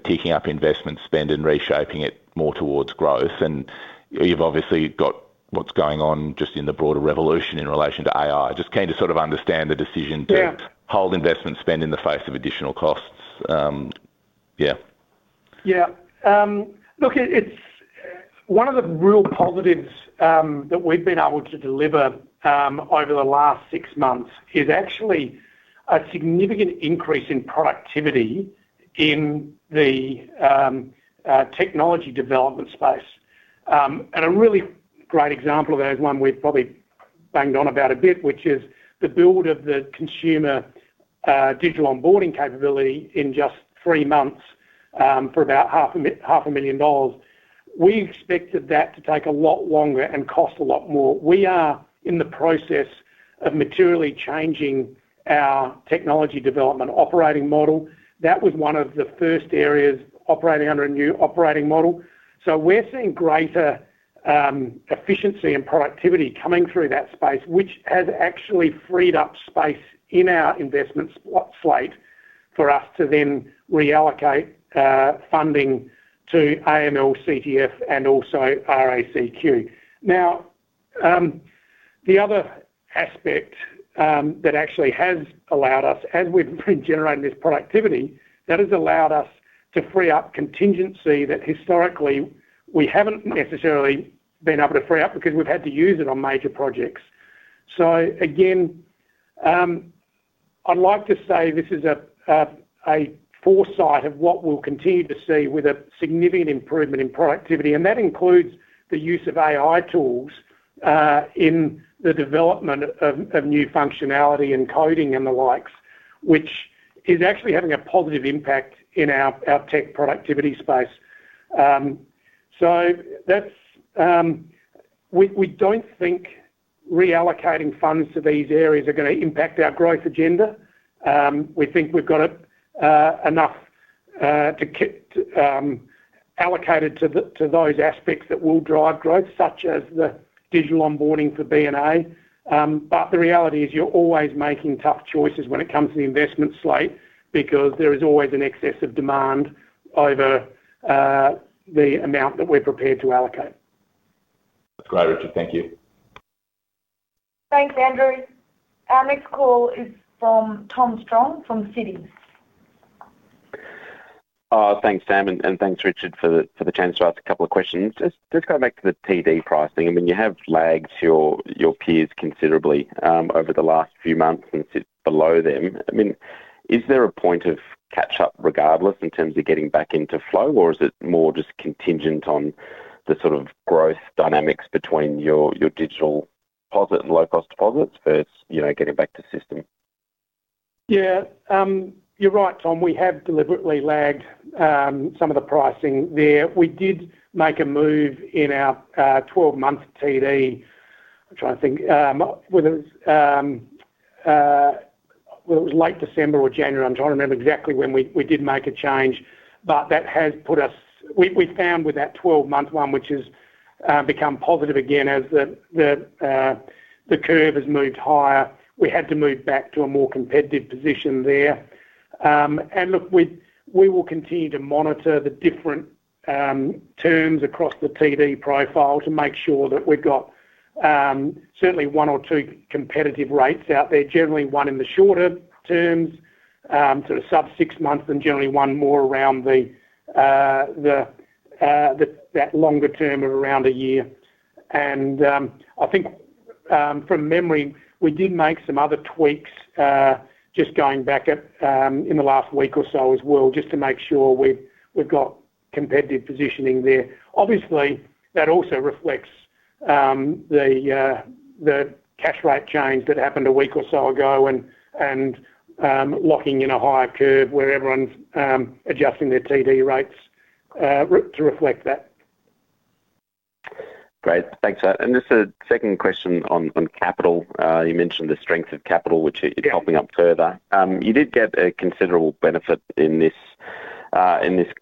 Speaker 7: teeing up investment spend and reshaping it more towards growth? And you've obviously got what's going on just in the broader revolution in relation to AI. I just came to sort of understand the decision to-
Speaker 3: Yeah
Speaker 7: Hold investment spend in the face of additional costs. Yeah.
Speaker 3: Yeah. Look, it's one of the real positives that we've been able to deliver over the last six months is actually a significant increase in productivity in the technology development space. And a really great example of that is one we've probably banged on about a bit, which is the build of the consumer digital onboarding capability in just three months for about 500,000 dollars. We expected that to take a lot longer and cost a lot more. We are in the process of materially changing our technology development operating model. That was one of the first areas operating under a new operating model. So we're seeing greater efficiency and productivity coming through that space, which has actually freed up space in our investment spot slate for us to then reallocate funding to AML, CTF, and also RACQ. Now, the other aspect that actually has allowed us, as we've been generating this productivity, that has allowed us to free up contingency that historically we haven't necessarily been able to free up because we've had to use it on major projects. So again, I'd like to say this is a foresight of what we'll continue to see with a significant improvement in productivity, and that includes the use of AI tools in the development of new functionality and coding and the likes, which is actually having a positive impact in our tech productivity space. So that's... We don't think reallocating funds to these areas are gonna impact our growth agenda. We think we've got it enough to keep allocated to those aspects that will drive growth, such as the digital onboarding for B&A. But the reality is, you're always making tough choices when it comes to the investment slate because there is always an excess of demand over the amount that we're prepared to allocate.
Speaker 7: That's great, Richard. Thank you.
Speaker 2: Thanks, Andrew. Our next call is from Tom Strong, from Citi.
Speaker 8: Thanks, Sam, and thanks, Richard, for the chance to ask a couple of questions. Just going back to the TD pricing, I mean, you have lagged your peers considerably over the last few months and sit below them. I mean, is there a point of catch-up regardless, in terms of getting back into flow, or is it more just contingent on the sort of growth dynamics between your digital deposit and low-cost deposits versus, you know, getting back to system?
Speaker 3: Yeah, you're right, Tom, we have deliberately lagged some of the pricing there. We did make a move in our 12-month TD. I'm trying to think whether it was well, it was late December or January. I'm trying to remember exactly when we did make a change, but that has put us-- we found with that 12-month one, which has become positive again, as the curve has moved higher, we had to move back to a more competitive position there. And look, we will continue to monitor the different terms across the TD profile to make sure that we've got certainly one or two competitive rates out there, generally one in the shorter terms, sort of sub-six months, and generally one more around the that longer term of around a year. And I think, from memory, we did make some other tweaks just going back at in the last week or so as well, just to make sure we've got competitive positioning there. Obviously, that also reflects the cash rate change that happened a week or so ago and locking in a higher curve where everyone's adjusting their TD rates to reflect that.
Speaker 8: Great. Thanks. And just a second question on capital. You mentioned the strength of capital, which is-
Speaker 3: Yeah
Speaker 8: Helping up further. You did get a considerable benefit in this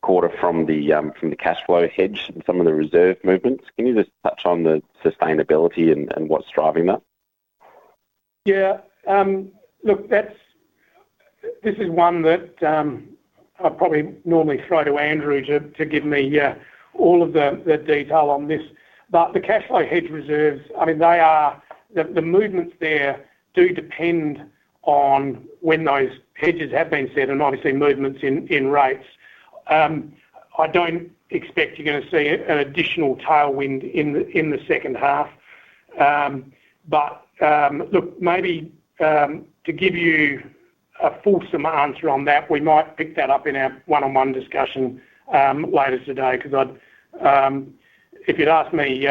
Speaker 8: quarter from the cash flow hedge and some of the reserve movements. Can you just touch on the sustainability and what's driving that?
Speaker 3: Yeah. Look, that's this is one that I'd probably normally throw to Andrew to give me all of the detail on this. But the cash flow hedge reserves, I mean, they are the movements there do depend on when those hedges have been set and obviously movements in rates. I don't expect you're gonna see an additional tailwind in the second half. But look, maybe to give you a fulsome answer on that, we might pick that up in our one-on-one discussion later today, 'cause I'd... If you'd asked me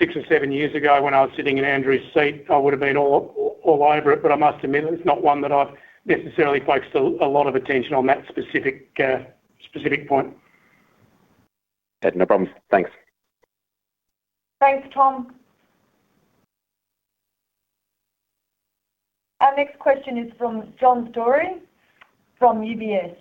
Speaker 3: six or seven years ago, when I was sitting in Andrew's seat, I would have been all over it, but I must admit, it's not one that I've necessarily focused a lot of attention on that specific point.
Speaker 8: Yeah, no problems. Thanks.
Speaker 2: Thanks, Tom. Our next question is from John Storey from UBS.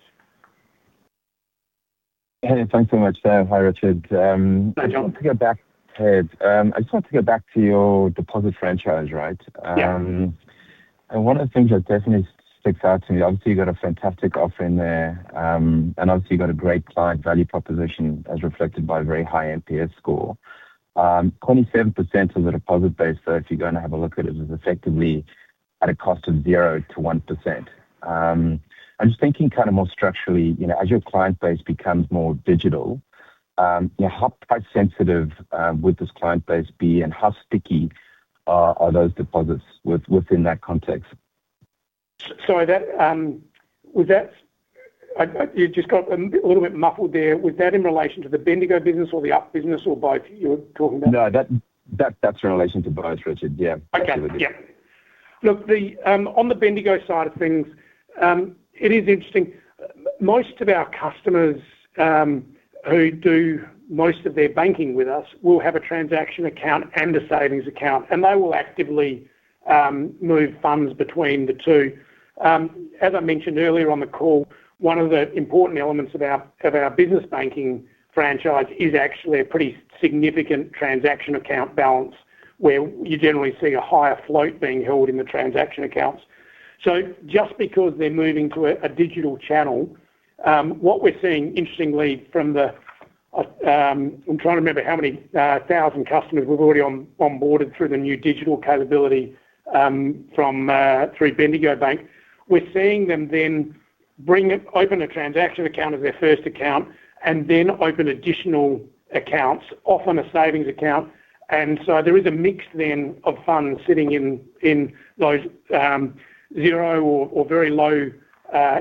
Speaker 9: Hey, thanks so much. Hi, Richard.
Speaker 3: Hi, John.
Speaker 9: I want to go back, to. I just want to go back to your deposit franchise, right?
Speaker 3: Yeah.
Speaker 9: One of the things that definitely sticks out to me, obviously, you got a fantastic offering there, and obviously, you got a great client value proposition, as reflected by a very high NPS score. 27% of the deposit base, so if you're going to have a look at it, is effectively at a cost of 0%-1%. I'm just thinking kind of more structurally, you know, as your client base becomes more digital, how price sensitive would this client base be, and how sticky are those deposits within that context?
Speaker 3: Sorry, that was that. You just got a little bit muffled there. Was that in relation to the Bendigo business or the Up business, or both you were talking about?
Speaker 9: No, that's in relation to both, Richard. Yeah.
Speaker 3: Okay. Yeah. Look, the on the Bendigo side of things, it is interesting. Most of our customers who do most of their banking with us will have a transaction account and a savings account, and they will actively move funds between the two. As I mentioned earlier on the call, one of the important elements of our business banking franchise is actually a pretty significant transaction account balance, where you generally see a higher float being held in the transaction accounts. So just because they're moving to a digital channel, what we're seeing, interestingly, from the I'm trying to remember how many thousand customers we've already onboarded through the new digital capability, from through Bendigo Bank. We're seeing them then bring and open a transaction account as their first account and then open additional accounts, often a savings account, and so there is a mix then of funds sitting in those zero or very low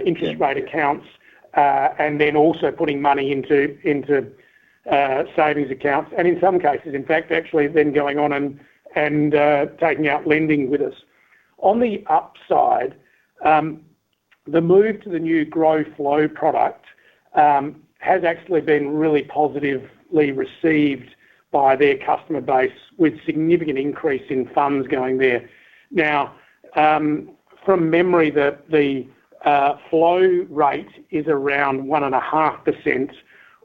Speaker 3: interest-
Speaker 9: Yeah
Speaker 3: Rate accounts, and then also putting money into savings accounts, and in some cases, in fact, actually then going on and taking out lending with us. On the Up side, the move to the new Grow Flow product has actually been really positively received by their customer base, with significant increase in funds going there. Now, from memory, the Flow rate is around 1.5%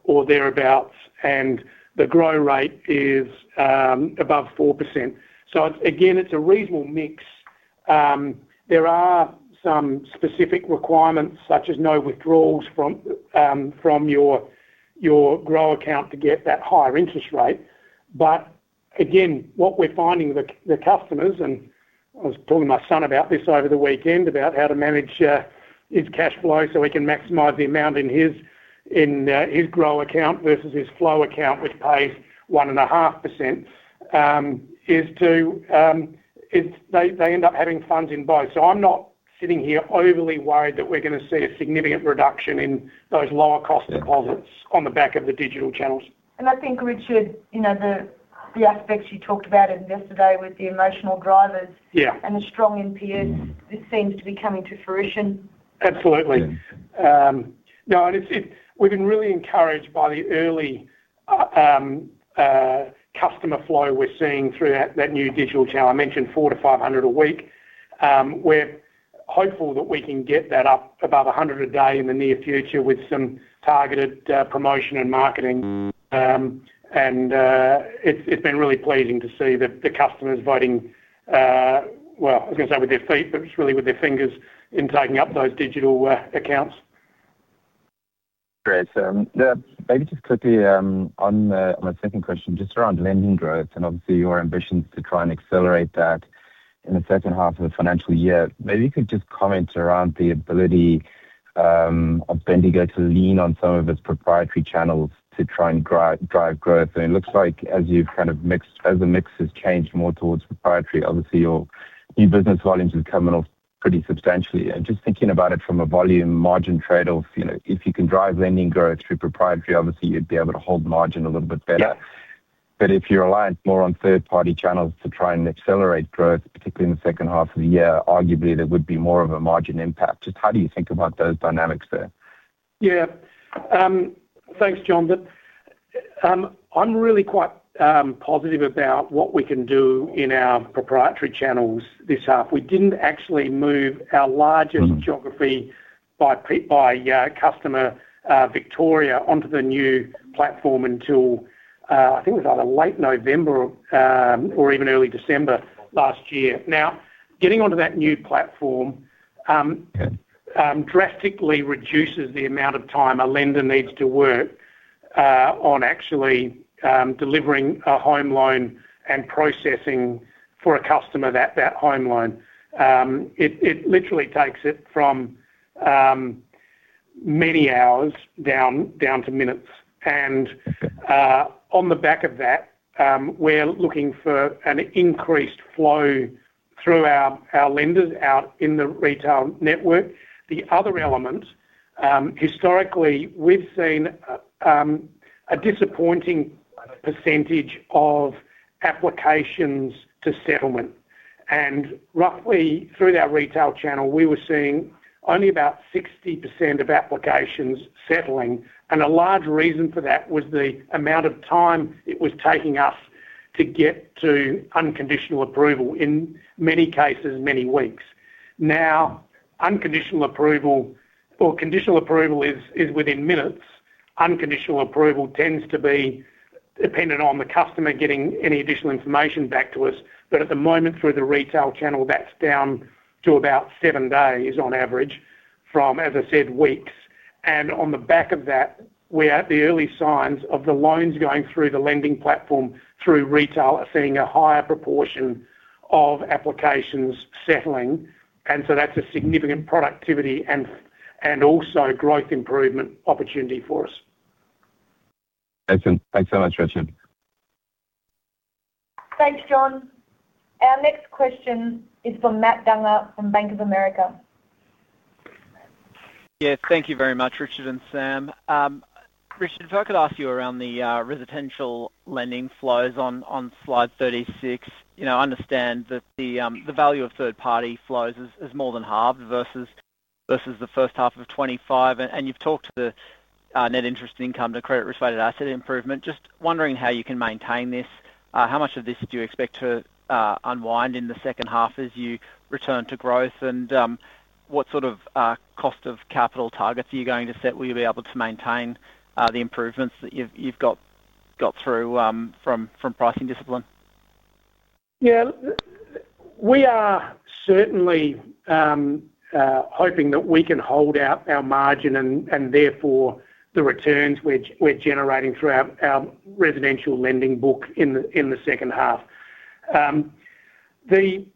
Speaker 3: or thereabout, and the Grow rate is above 4%. So again, it's a reasonable mix. There are some specific requirements, such as no withdrawals from your Grow account to get that higher interest rate. But again, what we're finding the customers, and I was talking to my son about this over the weekend, about how to manage his cash flow so we can maximize the amount in his, in, his Grow account versus his Flow account, which pays 1.5%, is to, is they, they end up having funds in both. So I'm not sitting here overly worried that we're gonna see a significant reduction in those lower-cost deposits on the back of the digital channels.
Speaker 2: And I think, Richard, you know, the aspects you talked about in yesterday with the emotional drivers-
Speaker 3: Yeah.
Speaker 2: And the strong NPS, this seems to be coming to fruition.
Speaker 3: Absolutely. No, and it's, it—we've been really encouraged by the early customer flow we're seeing through that new digital channel. I mentioned 400-500 a week. We're hopeful that we can get that up above 100 a day in the near future with some targeted promotion and marketing. And, it's been really pleasing to see the customers voting, well, I was gonna say with their feet, but just really with their fingers in taking up those digital accounts.
Speaker 9: Great. So, yeah, maybe just quickly, on my second question, just around lending growth and obviously your ambitions to try and accelerate that in the second half of the financial year. Maybe you could just comment around the ability of Bendigo to lean on some of its proprietary channels to try and drive growth. And it looks like as you've kind of mixed, as the mix has changed more towards proprietary, obviously your new business volumes have coming off pretty substantially. And just thinking about it from a volume margin trade-off, you know, if you can drive lending growth through proprietary, obviously you'd be able to hold margin a little bit better.
Speaker 3: Yeah.
Speaker 9: But if you're reliant more on third-party channels to try and accelerate growth, particularly in the second half of the year, arguably there would be more of a margin impact. Just how do you think about those dynamics there?
Speaker 3: Yeah. Thanks, John. But, I'm really quite positive about what we can do in our proprietary channels this half. We didn't actually move our largest geography by customer, Victoria, onto the new platform until I think it was either late November or even early December last year. Now, getting onto that new platform drastically reduces the amount of time a lender needs to work on actually delivering a home loan and processing for a customer that home loan. It literally takes it from many hours down to minutes. And on the back of that, we're looking for an increased flow through our lenders out in the retail network. The other element, historically, we've seen a disappointing percentage of applications to settlement, and roughly through our retail channel, we were seeing only about 60% of applications settling, and a large reason for that was the amount of time it was taking us to get to unconditional approval, in many cases, many weeks. Now, unconditional approval or conditional approval is within minutes. Unconditional approval tends to be dependent on the customer getting any additional information back to us. But at the moment, through the retail channel, that's down to about 7 days on average from, as I said, weeks. And on the back of that, we're at the early signs of the loans going through the lending platform through retail are seeing a higher proportion of applications settling, and so that's a significant productivity and also growth improvement opportunity for us.
Speaker 9: Excellent. Thanks so much, Richard.
Speaker 2: Thanks, John. Our next question is from Matt Dunger from Bank of America.
Speaker 10: Yeah, thank you very much, Richard and Sam. Richard, if I could ask you around the residential lending flows on slide 36. You know, I understand that the value of third-party flows is more than halved versus the first half of 2025, and you've talked to the net interest income to credit related asset improvement. Just wondering how you can maintain this. How much of this do you expect to unwind in the second half as you return to growth? And, what sort of cost of capital targets are you going to set? Will you be able to maintain the improvements that you've got through from pricing discipline?
Speaker 3: Yeah. We are certainly hoping that we can hold out our margin and therefore the returns we're generating through our residential lending book in the second half. The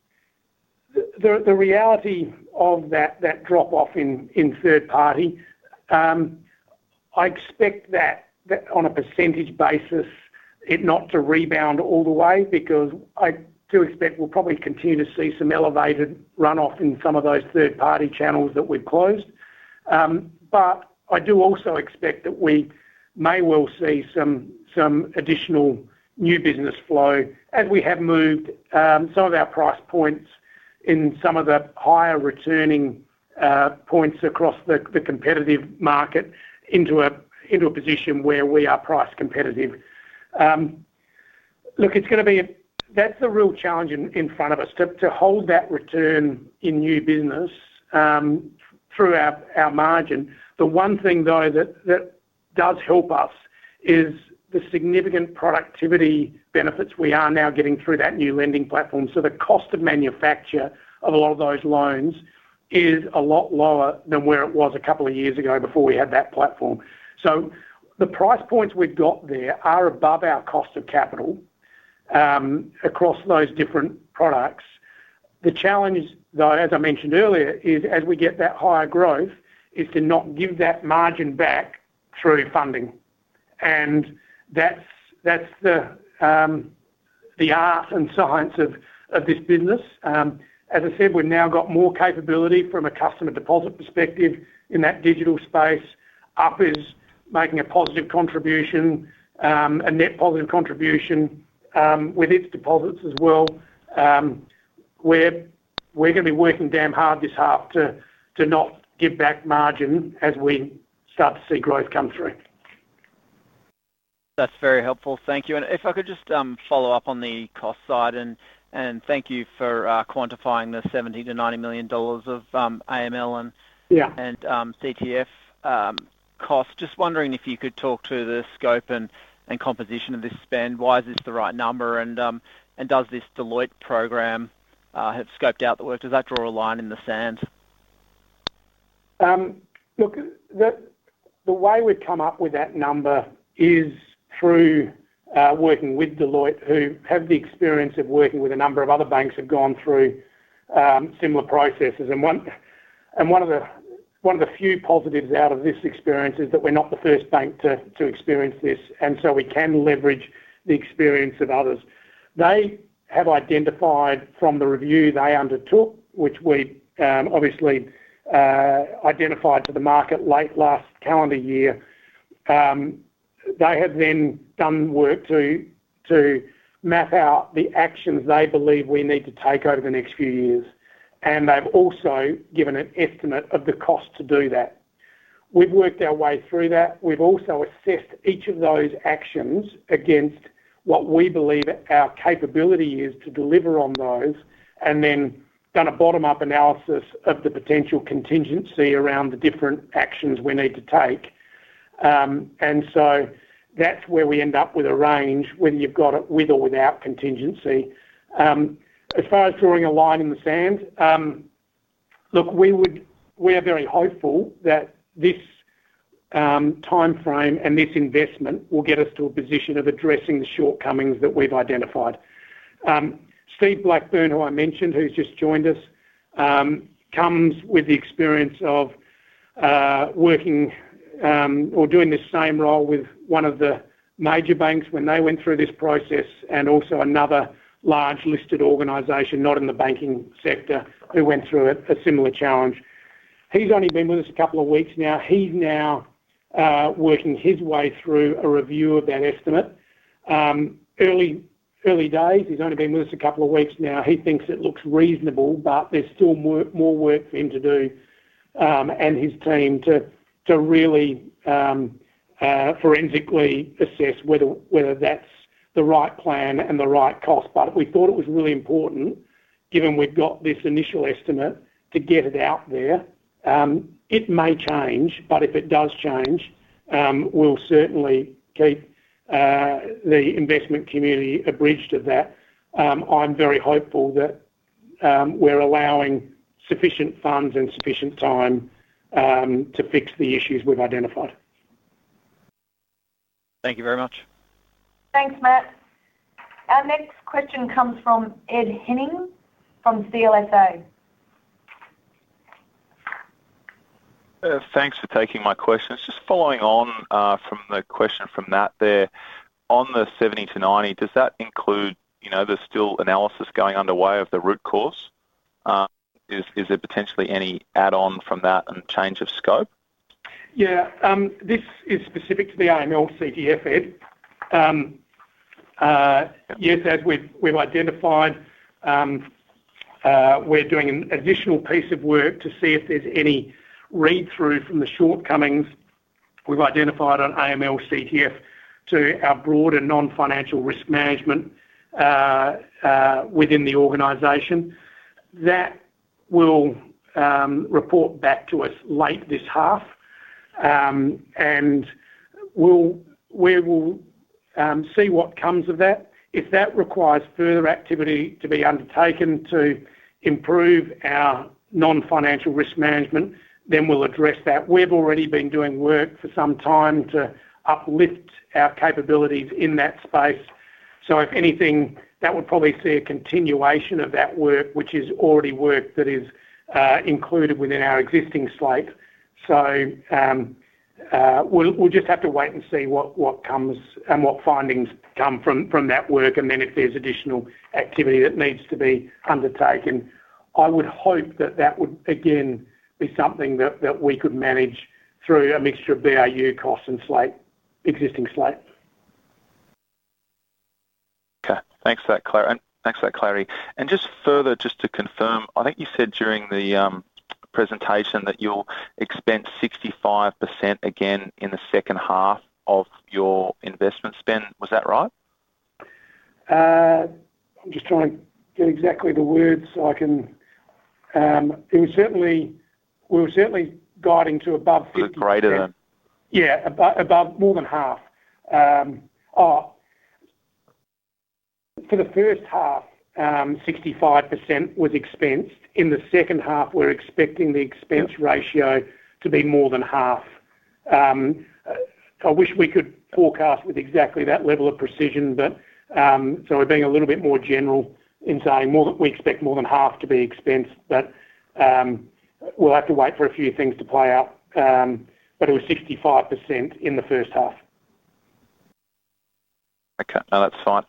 Speaker 3: reality of that drop-off in third party, I expect that on a percentage basis, it not to rebound all the way because I do expect we'll probably continue to see some elevated runoff in some of those third-party channels that we've closed. But I do also expect that we may well see some additional new business flow as we have moved some of our price points in some of the higher returning points across the competitive market into a position where we are price competitive. Look, it's gonna be... That's the real challenge in front of us, to hold that return in new business through our margin. The one thing, though, that does help us is the significant productivity benefits we are now getting through that new lending platform. So the cost of manufacture of a lot of those loans is a lot lower than where it was a couple of years ago before we had that platform. So the price points we've got there are above our cost of capital across those different products. The challenge, though, as I mentioned earlier, is, as we get that higher growth, to not give that margin back through funding. And that's the art and science of this business. As I said, we've now got more capability from a customer deposit perspective in that digital space.... Up is making a positive contribution, a net positive contribution, with its deposits as well. We're gonna be working damn hard this half to not give back margin as we start to see growth come through.
Speaker 10: That's very helpful. Thank you. If I could just follow up on the cost side, and thank you for quantifying the 70 million-90 million dollars of AML and-
Speaker 3: Yeah
Speaker 10: And, CTF, cost. Just wondering if you could talk to the scope and composition of this spend. Why is this the right number? And does this Deloitte program have scoped out the work? Does that draw a line in the sand?
Speaker 3: Look, the way we've come up with that number is through working with Deloitte, who have the experience of working with a number of other banks have gone through similar processes. And one of the few positives out of this experience is that we're not the first bank to experience this, and so we can leverage the experience of others. They have identified from the review they undertook, which we obviously identified to the market late last calendar year. They have then done work to map out the actions they believe we need to take over the next few years, and they've also given an estimate of the cost to do that. We've worked our way through that. We've also assessed each of those actions against what we believe our capability is to deliver on those, and then done a bottom-up analysis of the potential contingency around the different actions we need to take. And so that's where we end up with a range, whether you've got it with or without contingency. As far as drawing a line in the sand, look, we are very hopeful that this time frame and this investment will get us to a position of addressing the shortcomings that we've identified. Steve Blackburn, who I mentioned, who's just joined us, comes with the experience of working or doing this same role with one of the major banks when they went through this process, and also another large listed organization, not in the banking sector, who went through a similar challenge. He's only been with us a couple of weeks now. He's now working his way through a review of that estimate. Early days. He's only been with us a couple of weeks now. He thinks it looks reasonable, but there's still more work for him to do, and his team to really forensically assess whether that's the right plan and the right cost. But we thought it was really important, given we've got this initial estimate, to get it out there. It may change, but if it does change, we'll certainly keep the investment community apprised of that. I'm very hopeful that we're allowing sufficient funds and sufficient time to fix the issues we've identified.
Speaker 10: Thank you very much.
Speaker 2: Thanks, Matt. Our next question comes from Ed Henning, from CLSA.
Speaker 11: Thanks for taking my questions. Just following on from the question from Matt there. On the 70-90, does that include, you know, there's still analysis going underway of the root cause? Is there potentially any add-on from that and change of scope?
Speaker 3: Yeah, this is specific to the AML/CTF, Ed. Yes, Ed, we've identified we're doing an additional piece of work to see if there's any read-through from the shortcomings we've identified on AML/CTF to our broader non-financial risk management within the organization. That will report back to us late this half, and we'll see what comes of that. If that requires further activity to be undertaken to improve our non-financial risk management, then we'll address that. We've already been doing work for some time to uplift our capabilities in that space. So if anything, that would probably see a continuation of that work, which is already work that is included within our existing slate. So, we'll just have to wait and see what comes and what findings come from that work, and then if there's additional activity that needs to be undertaken. I would hope that that would again be something that we could manage through a mixture of BAU costs and slate, existing slate.
Speaker 11: Okay. Thanks for that clarity. Just further, just to confirm, I think you said during the presentation that you'll expense 65% again in the second half of your investment spend. Was that right?
Speaker 3: I'm just trying to get exactly the words so I can... it was certainly, we're certainly guiding to above 50%-
Speaker 11: Greater than.
Speaker 3: Yeah, above more than half. For the first half, 65% was expensed. In the second half, we're expecting the expense ratio to be more than half. I wish we could forecast with exactly that level of precision, but, so we're being a little bit more general in saying more, we expect more than half to be expensed, but, we'll have to wait for a few things to play out, but it was 65% in the first half.
Speaker 11: Oh, that's fine.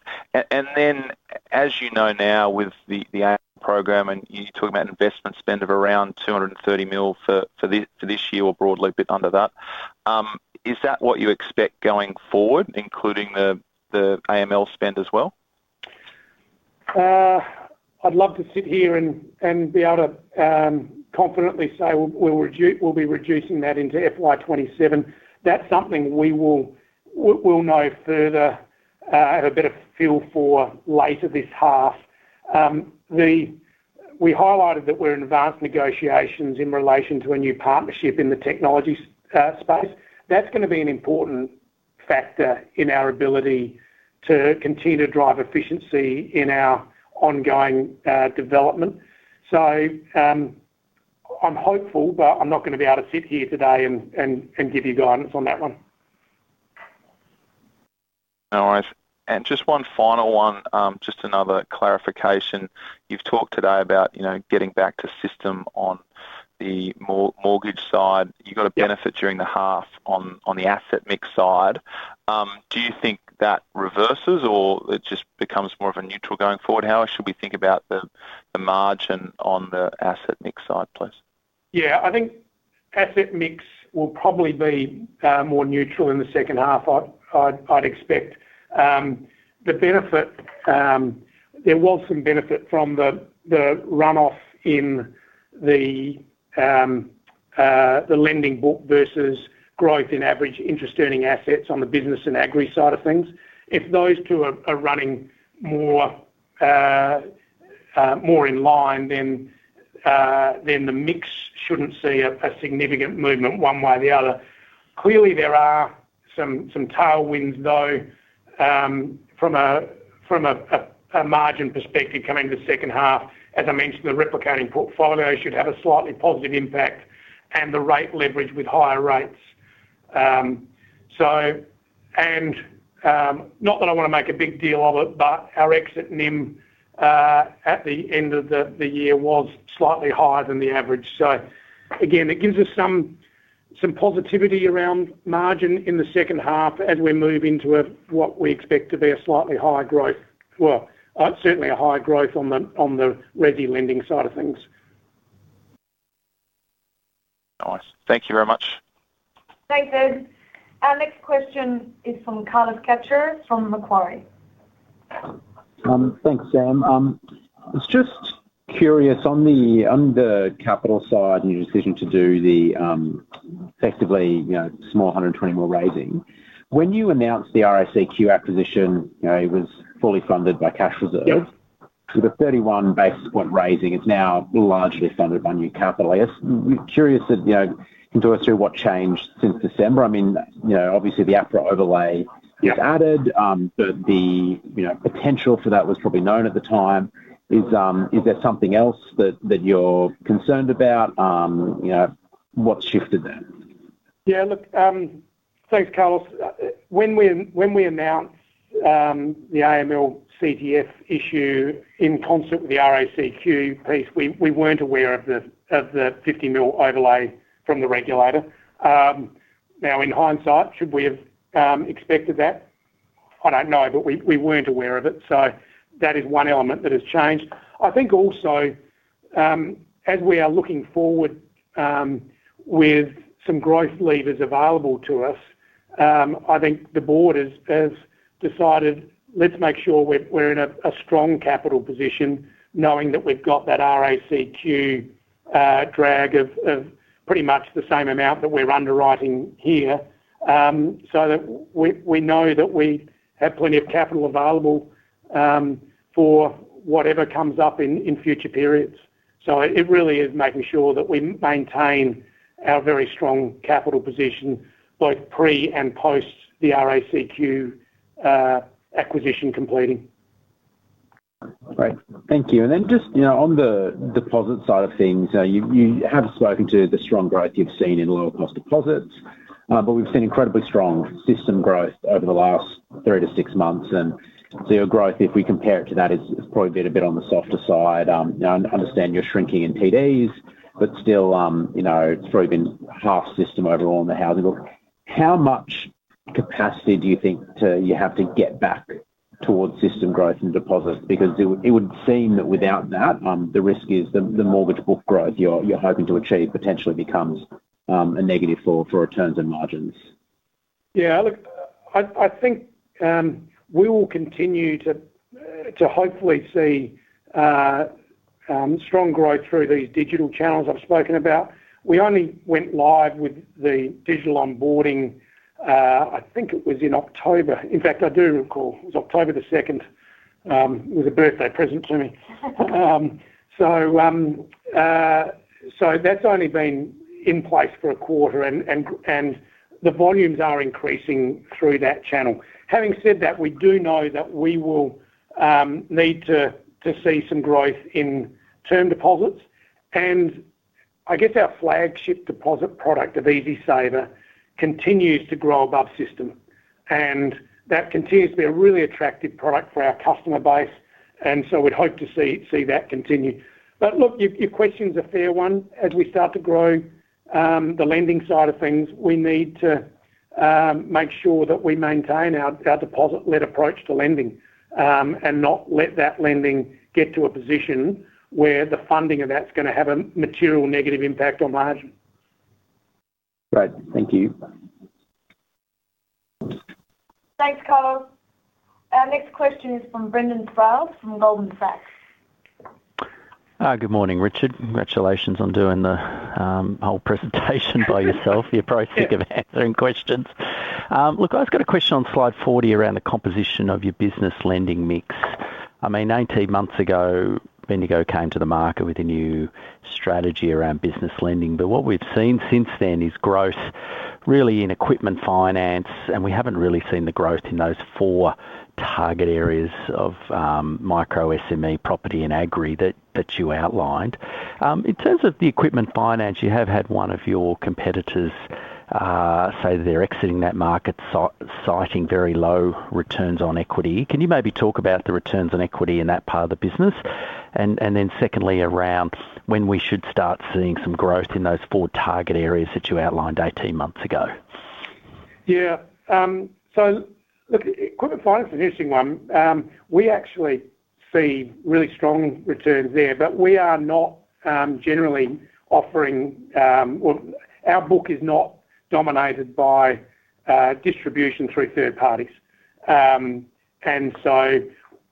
Speaker 11: And then as you know now with the AML program, and you're talking about an investment spend of around 230 million for this year, or broadly a bit under that. Is that what you expect going forward, including the AML spend as well?
Speaker 3: I'd love to sit here and be able to confidently say, we'll be reducing that into FY 2027. That's something we will know further, have a better feel for later this half. We highlighted that we're in advanced negotiations in relation to a new partnership in the technology space. That's gonna be an important factor in our ability to continue to drive efficiency in our ongoing development. So, I'm hopeful, but I'm not gonna be able to sit here today and give you guidance on that one.
Speaker 11: All right. Just one final one, just another clarification. You've talked today about, you know, getting back to system on the mortgage side.
Speaker 3: Yeah.
Speaker 11: You got a benefit during the half on the asset mix side. Do you think that reverses, or it just becomes more of a neutral going forward? How should we think about the margin on the asset mix side, please?
Speaker 3: Yeah, I think asset mix will probably be more neutral in the second half. I'd expect the benefit. There was some benefit from the runoff in the lending book versus growth in average interest-earning assets on the business and Agri side of things. If those two are running more in line, then the mix shouldn't see a significant movement one way or the other. Clearly, there are some tailwinds, though, from a margin perspective coming into the second half. As I mentioned, the replicating portfolio should have a slightly positive impact and the rate leverage with higher rates. So, not that I wanna make a big deal of it, but our exit NIM at the end of the year was slightly higher than the average. So again, it gives us some positivity around margin in the second half as we move into a what we expect to be a slightly higher growth. Well, certainly a higher growth on the resi lending side of things.
Speaker 11: Nice. Thank you very much.
Speaker 2: Thanks, Ed. Our next question is from Carlos Cacho, from Macquarie.
Speaker 12: Thanks, Sam. I was just curious on the capital side and your decision to do the, effectively, you know, small 120 million raising. When you announced the RACQ acquisition, you know, it was fully funded by cash reserves.
Speaker 3: Yeah.
Speaker 12: So the 31 basis point raising is now largely funded by new capital. I was curious if, you know, can talk us through what changed since December? I mean, you know, obviously the APRA overlay is added, but the, you know, potential for that was probably known at the time. Is, is there something else that, that you're concerned about? You know, what shifted that?
Speaker 3: Yeah, look, thanks, Carlos. When we announced the AML/CTF issue in concert with the RACQ piece, we weren't aware of the 50 million overlay from the regulator. Now, in hindsight, should we have expected that? I don't know, but we weren't aware of it, so that is one element that has changed. I think also, as we are looking forward, with some growth levers available to us, I think the board has decided, let's make sure we're in a strong capital position, knowing that we've got that RACQ drag of pretty much the same amount that we're underwriting here. So that we know that we have plenty of capital available, for whatever comes up in future periods. So it really is making sure that we maintain our very strong capital position, both pre and post the RACQ acquisition completing.
Speaker 12: Great. Thank you, and then just, you know, on the deposit side of things, you have spoken to the strong growth you've seen in lower-cost deposits, but we've seen incredibly strong system growth over the last three to six months, and so your growth, if we compare it to that, is probably a bit on the softer side. Now I understand you're shrinking in TDs, but still, you know, it's probably been half system overall on the housing book. How much capacity do you think you have to get back towards system growth and deposits? Because it would seem that without that, the risk is the mortgage book growth you're hoping to achieve potentially becomes a negative for returns and margins.
Speaker 3: Yeah, look, I think we will continue to hopefully see strong growth through these digital channels I've spoken about. We only went live with the digital onboarding, I think it was in October. In fact, I do recall, it was October the second. It was a birthday present to me. So that's only been in place for a quarter, and the volumes are increasing through that channel. Having said that, we do know that we will need to see some growth in term deposits, and I guess our flagship deposit product of EasySaver continues to grow above system, and that continues to be a really attractive product for our customer base. And so we'd hope to see that continue. But look, your question's a fair one. As we start to grow the lending side of things, we need to make sure that we maintain our deposit-led approach to lending and not let that lending get to a position where the funding of that's gonna have a material negative impact on margin.
Speaker 12: Great. Thank you.
Speaker 2: Thanks, Carlos. Our next question is from Brendan Sproules from Goldman Sachs.
Speaker 13: Good morning, Richard. Congratulations on doing the whole presentation by yourself. You're probably sick of answering questions. Look, I've got a question on slide 40 around the composition of your business lending mix. I mean, 18 months ago, Bendigo came to the market with a new strategy around business lending, but what we've seen since then is growth really in equipment finance, and we haven't really seen the growth in those 4 target areas of micro SME, property, and Agri that you outlined. In terms of the equipment finance, you have had one of your competitors say they're exiting that market citing very low returns on equity. Can you maybe talk about the returns on equity in that part of the business? Then secondly, around when we should start seeing some growth in those four target areas that you outlined 18 months ago?
Speaker 3: Yeah. So look, equipment finance is an interesting one. We actually see really strong returns there, but we are not generally offering... Well, our book is not dominated by distribution through third parties. And so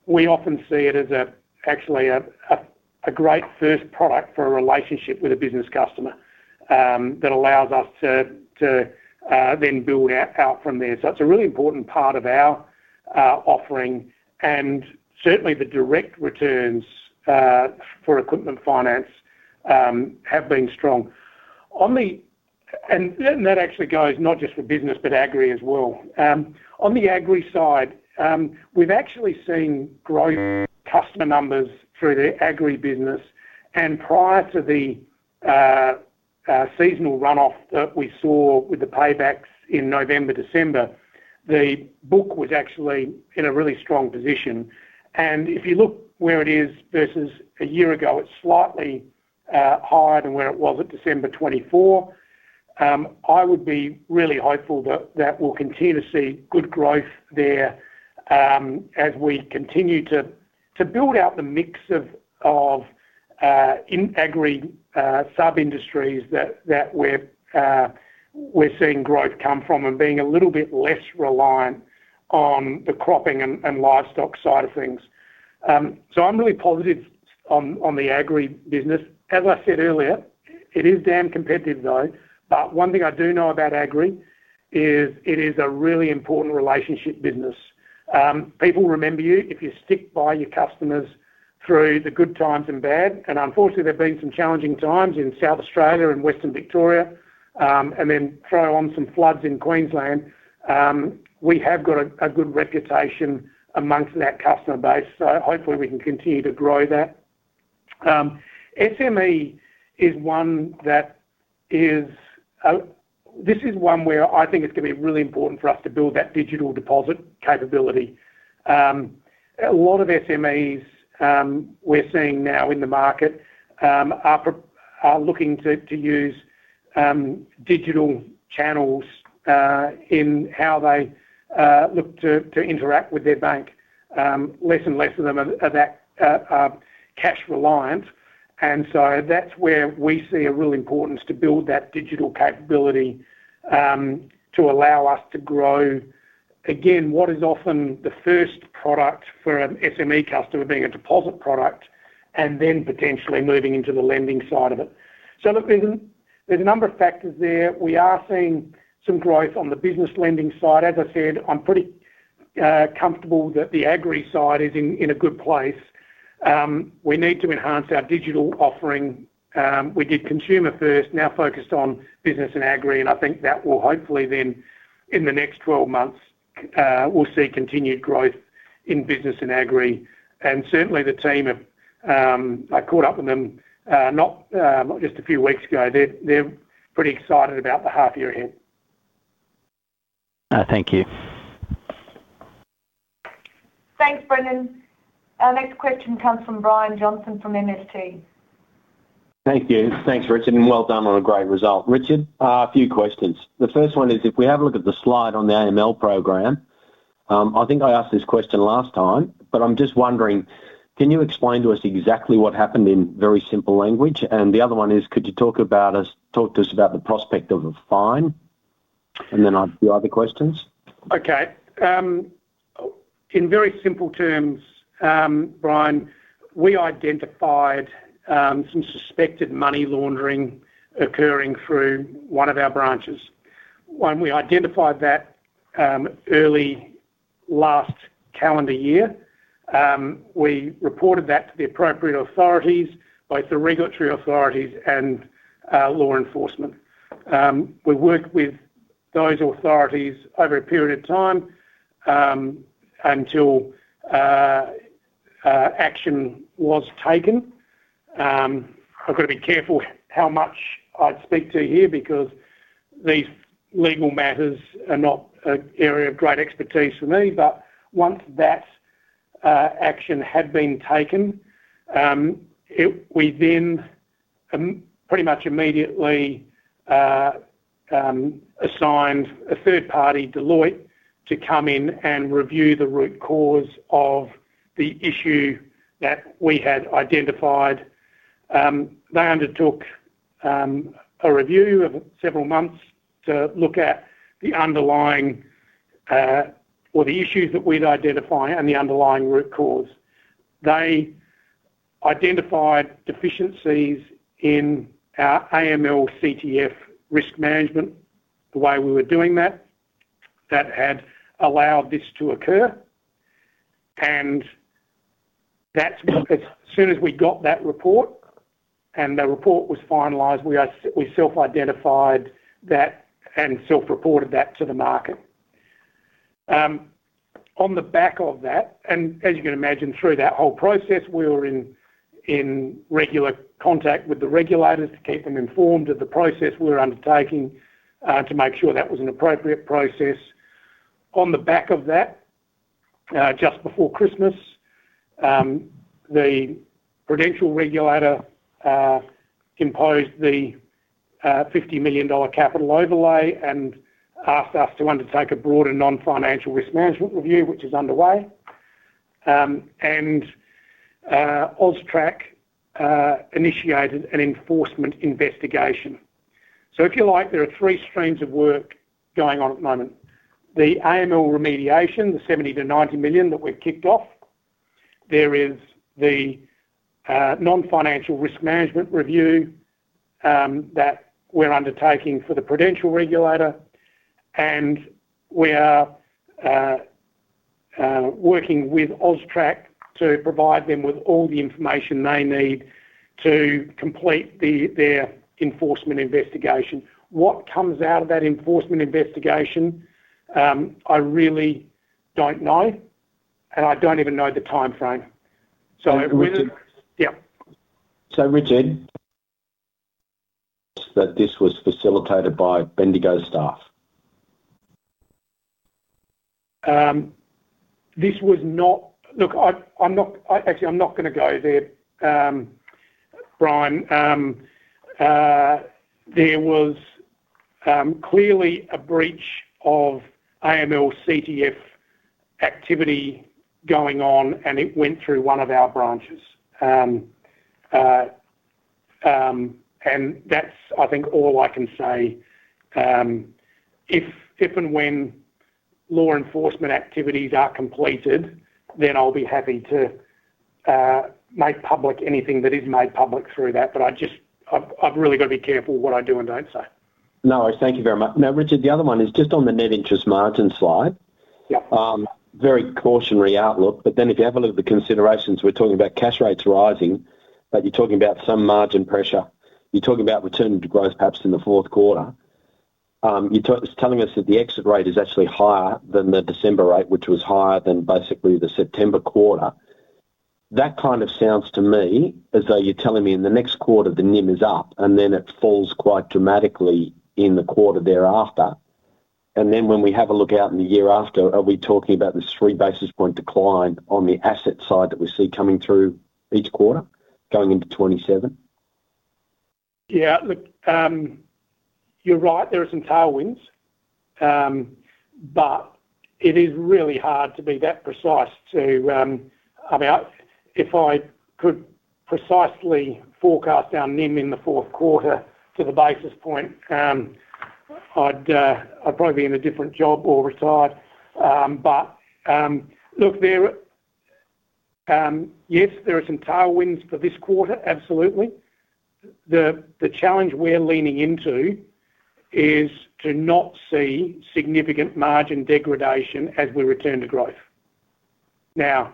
Speaker 3: we often see it as actually a great first product for a relationship with a business customer that allows us to then build out from there. So it's a really important part of our offering, and certainly the direct returns for equipment finance have been strong. And that actually goes not just for business, but Agri as well. On the Agri side, we've actually seen growth customer numbers through the Agri business, and prior to the seasonal runoff that we saw with the paybacks in November, December, the book was actually in a really strong position. And if you look where it is versus a year ago, it's slightly higher than where it was at December 2024. I would be really hopeful that we'll continue to see good growth there, as we continue to build out the mix of in Agri sub-industries that we're seeing growth come from and being a little bit less reliant on the cropping and livestock side of things. So I'm really positive on the Agri business. As I said earlier, it is damn competitive, though, but one thing I do know about Agri is it is a really important relationship business. People remember you if you stick by your customers through the good times and bad, and unfortunately, there have been some challenging times in South Australia and Western Victoria, and then throw on some floods in Queensland. We have got a good reputation among that customer base, so hopefully, we can continue to grow that. SME is one that is... This is one where I think it's gonna be really important for us to build that digital deposit capability. A lot of SMEs, we're seeing now in the market, are looking to use digital channels in how they look to interact with their bank. Less and less of them are that cash reliant, and so that's where we see a real importance to build that digital capability, to allow us to grow, again, what is often the first product for an SME customer being a deposit product, and then potentially moving into the lending side of it. So look, there's a number of factors there. We are seeing some growth on the business lending side. As I said, I'm pretty comfortable that the Agri side is in a good place. We need to enhance our digital offering. We did consumer first, now focused on business and Agri, and I think that will hopefully then, in the next 12 months, we'll see continued growth in business and Agri. Certainly, the team have. I caught up with them not just a few weeks ago. They're pretty excited about the half year ahead.
Speaker 13: Thank you.
Speaker 2: Thanks, Brendan. Our next question comes from Brian Johnson from MST.
Speaker 14: Thank you. Thanks, Richard, and well done on a great result. Richard, a few questions. The first one is, if we have a look at the slide on the AML program, I think I asked this question last time, but I'm just wondering: can you explain to us exactly what happened in very simple language? And the other one is, could you talk to us about the prospect of a fine? And then I have a few other questions.
Speaker 3: Okay. In very simple terms, Brian, we identified some suspected money laundering occurring through one of our branches. When we identified that, early last calendar year, we reported that to the appropriate authorities, both the regulatory authorities and law enforcement. We worked with those authorities over a period of time, until action was taken. I've got to be careful how much I speak to here, because these legal matters are not an area of great expertise for me. But once that action had been taken, we then pretty much immediately assigned a third party, Deloitte, to come in and review the root cause of the issue that we had identified. They undertook a review of several months to look at the underlying or the issues that we'd identified and the underlying root cause. They identified deficiencies in our AML/CTF risk management, the way we were doing that, that had allowed this to occur. That's because as soon as we got that report, and the report was finalized, we are, we self-identified that and self-reported that to the market. On the back of that, and as you can imagine, through that whole process, we were in regular contact with the regulators to keep them informed of the process we were undertaking to make sure that was an appropriate process. On the back of that, just before Christmas, the prudential regulator imposed the 50 million dollar capital overlay and asked us to undertake a broader non-financial risk management review, which is underway. And AUSTRAC initiated an enforcement investigation. So if you like, there are three streams of work going on at the moment: the AML remediation, the 70 million-90 million that we've kicked off. There is the non-financial risk management review that we're undertaking for the prudential regulator; and we are working with AUSTRAC to provide them with all the information they need to complete their enforcement investigation. What comes out of that enforcement investigation, I really don't know, and I don't even know the timeframe. So-
Speaker 14: Richard?
Speaker 3: Yeah.
Speaker 14: So, Richard, that this was facilitated by Bendigo staff.
Speaker 3: Look, I'm not... Actually, I'm not gonna go there, Brian. There was clearly a breach of AML/CTF activity going on, and it went through one of our branches. And that's, I think, all I can say. If, if and when law enforcement activities are completed, then I'll be happy to make public anything that is made public through that. But I just, I've, I've really got to be careful what I do and don't say.
Speaker 14: No worries. Thank you very much. Now, Richard, the other one is just on the net interest margin slide.
Speaker 3: Yep.
Speaker 14: Very cautionary outlook, but then if you have a look at the considerations, we're talking about cash rates rising, but you're talking about some margin pressure. You're talking about return to growth, perhaps in the Q4. You're telling us that the exit rate is actually higher than the December rate, which was higher than basically the September quarter. That kind of sounds to me as though you're telling me in the next quarter, the NIM is up, and then it falls quite dramatically in the quarter thereafter. And then when we have a look out in the year after, are we talking about this 3 basis point decline on the asset side that we see coming through each quarter going into 2027?
Speaker 3: Yeah, look, you're right, there are some tailwinds, but it is really hard to be that precise to, about. If I could precisely forecast our NIM in the Q4 to the basis point, I'd, I'd probably be in a different job or retired. But, look, there, yes, there are some tailwinds for this quarter, absolutely. The, the challenge we're leaning into is to not see significant margin degradation as we return to growth. Now,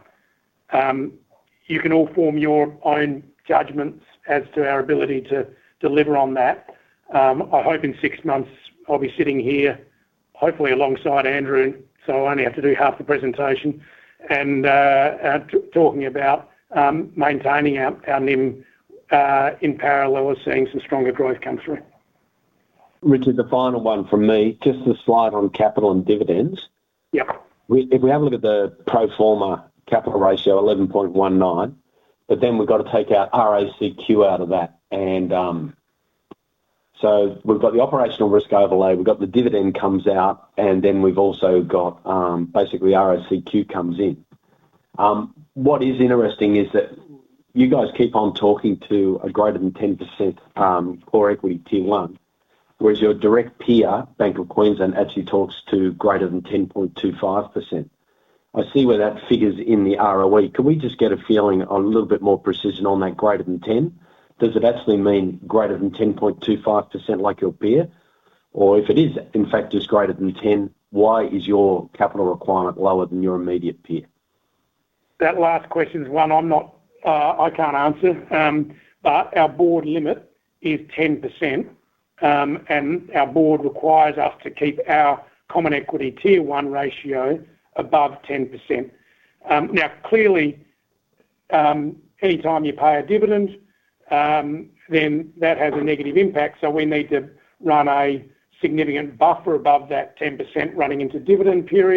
Speaker 3: you can all form your own judgments as to our ability to deliver on that. I hope in six months, I'll be sitting here, hopefully alongside Andrew, so I only have to do half the presentation, and, talking about, maintaining our, our NIM, in parallel or seeing some stronger growth come through.
Speaker 14: Richard, the final one from me, just the slide on capital and dividends.
Speaker 3: Yep.
Speaker 14: If we have a look at the pro forma capital ratio, 11.19, but then we've got to take our RACQ out of that. And, so we've got the operational risk overlay, we've got the dividend comes out, and then we've also got, basically, RACQ comes in. What is interesting is that you guys keep on talking to a greater than 10%, Common Equity Tier 1, whereas your direct peer, Bank of Queensland, actually talks to greater than 10.25%. I see where that figures in the ROE. Can we just get a feeling, a little bit more precision on that greater than 10? Does it actually mean greater than 10.25% like your peer? Or if it is in fact just greater than 10, why is your capital requirement lower than your immediate peer?
Speaker 3: That last question is one I'm not, I can't answer, but our board limit is 10%, and our board requires us to keep our common equity tier one ratio above 10%. Now, clearly, anytime you pay a dividend, then that has a negative impact, so we need to run a significant buffer above that 10% running into dividend periods.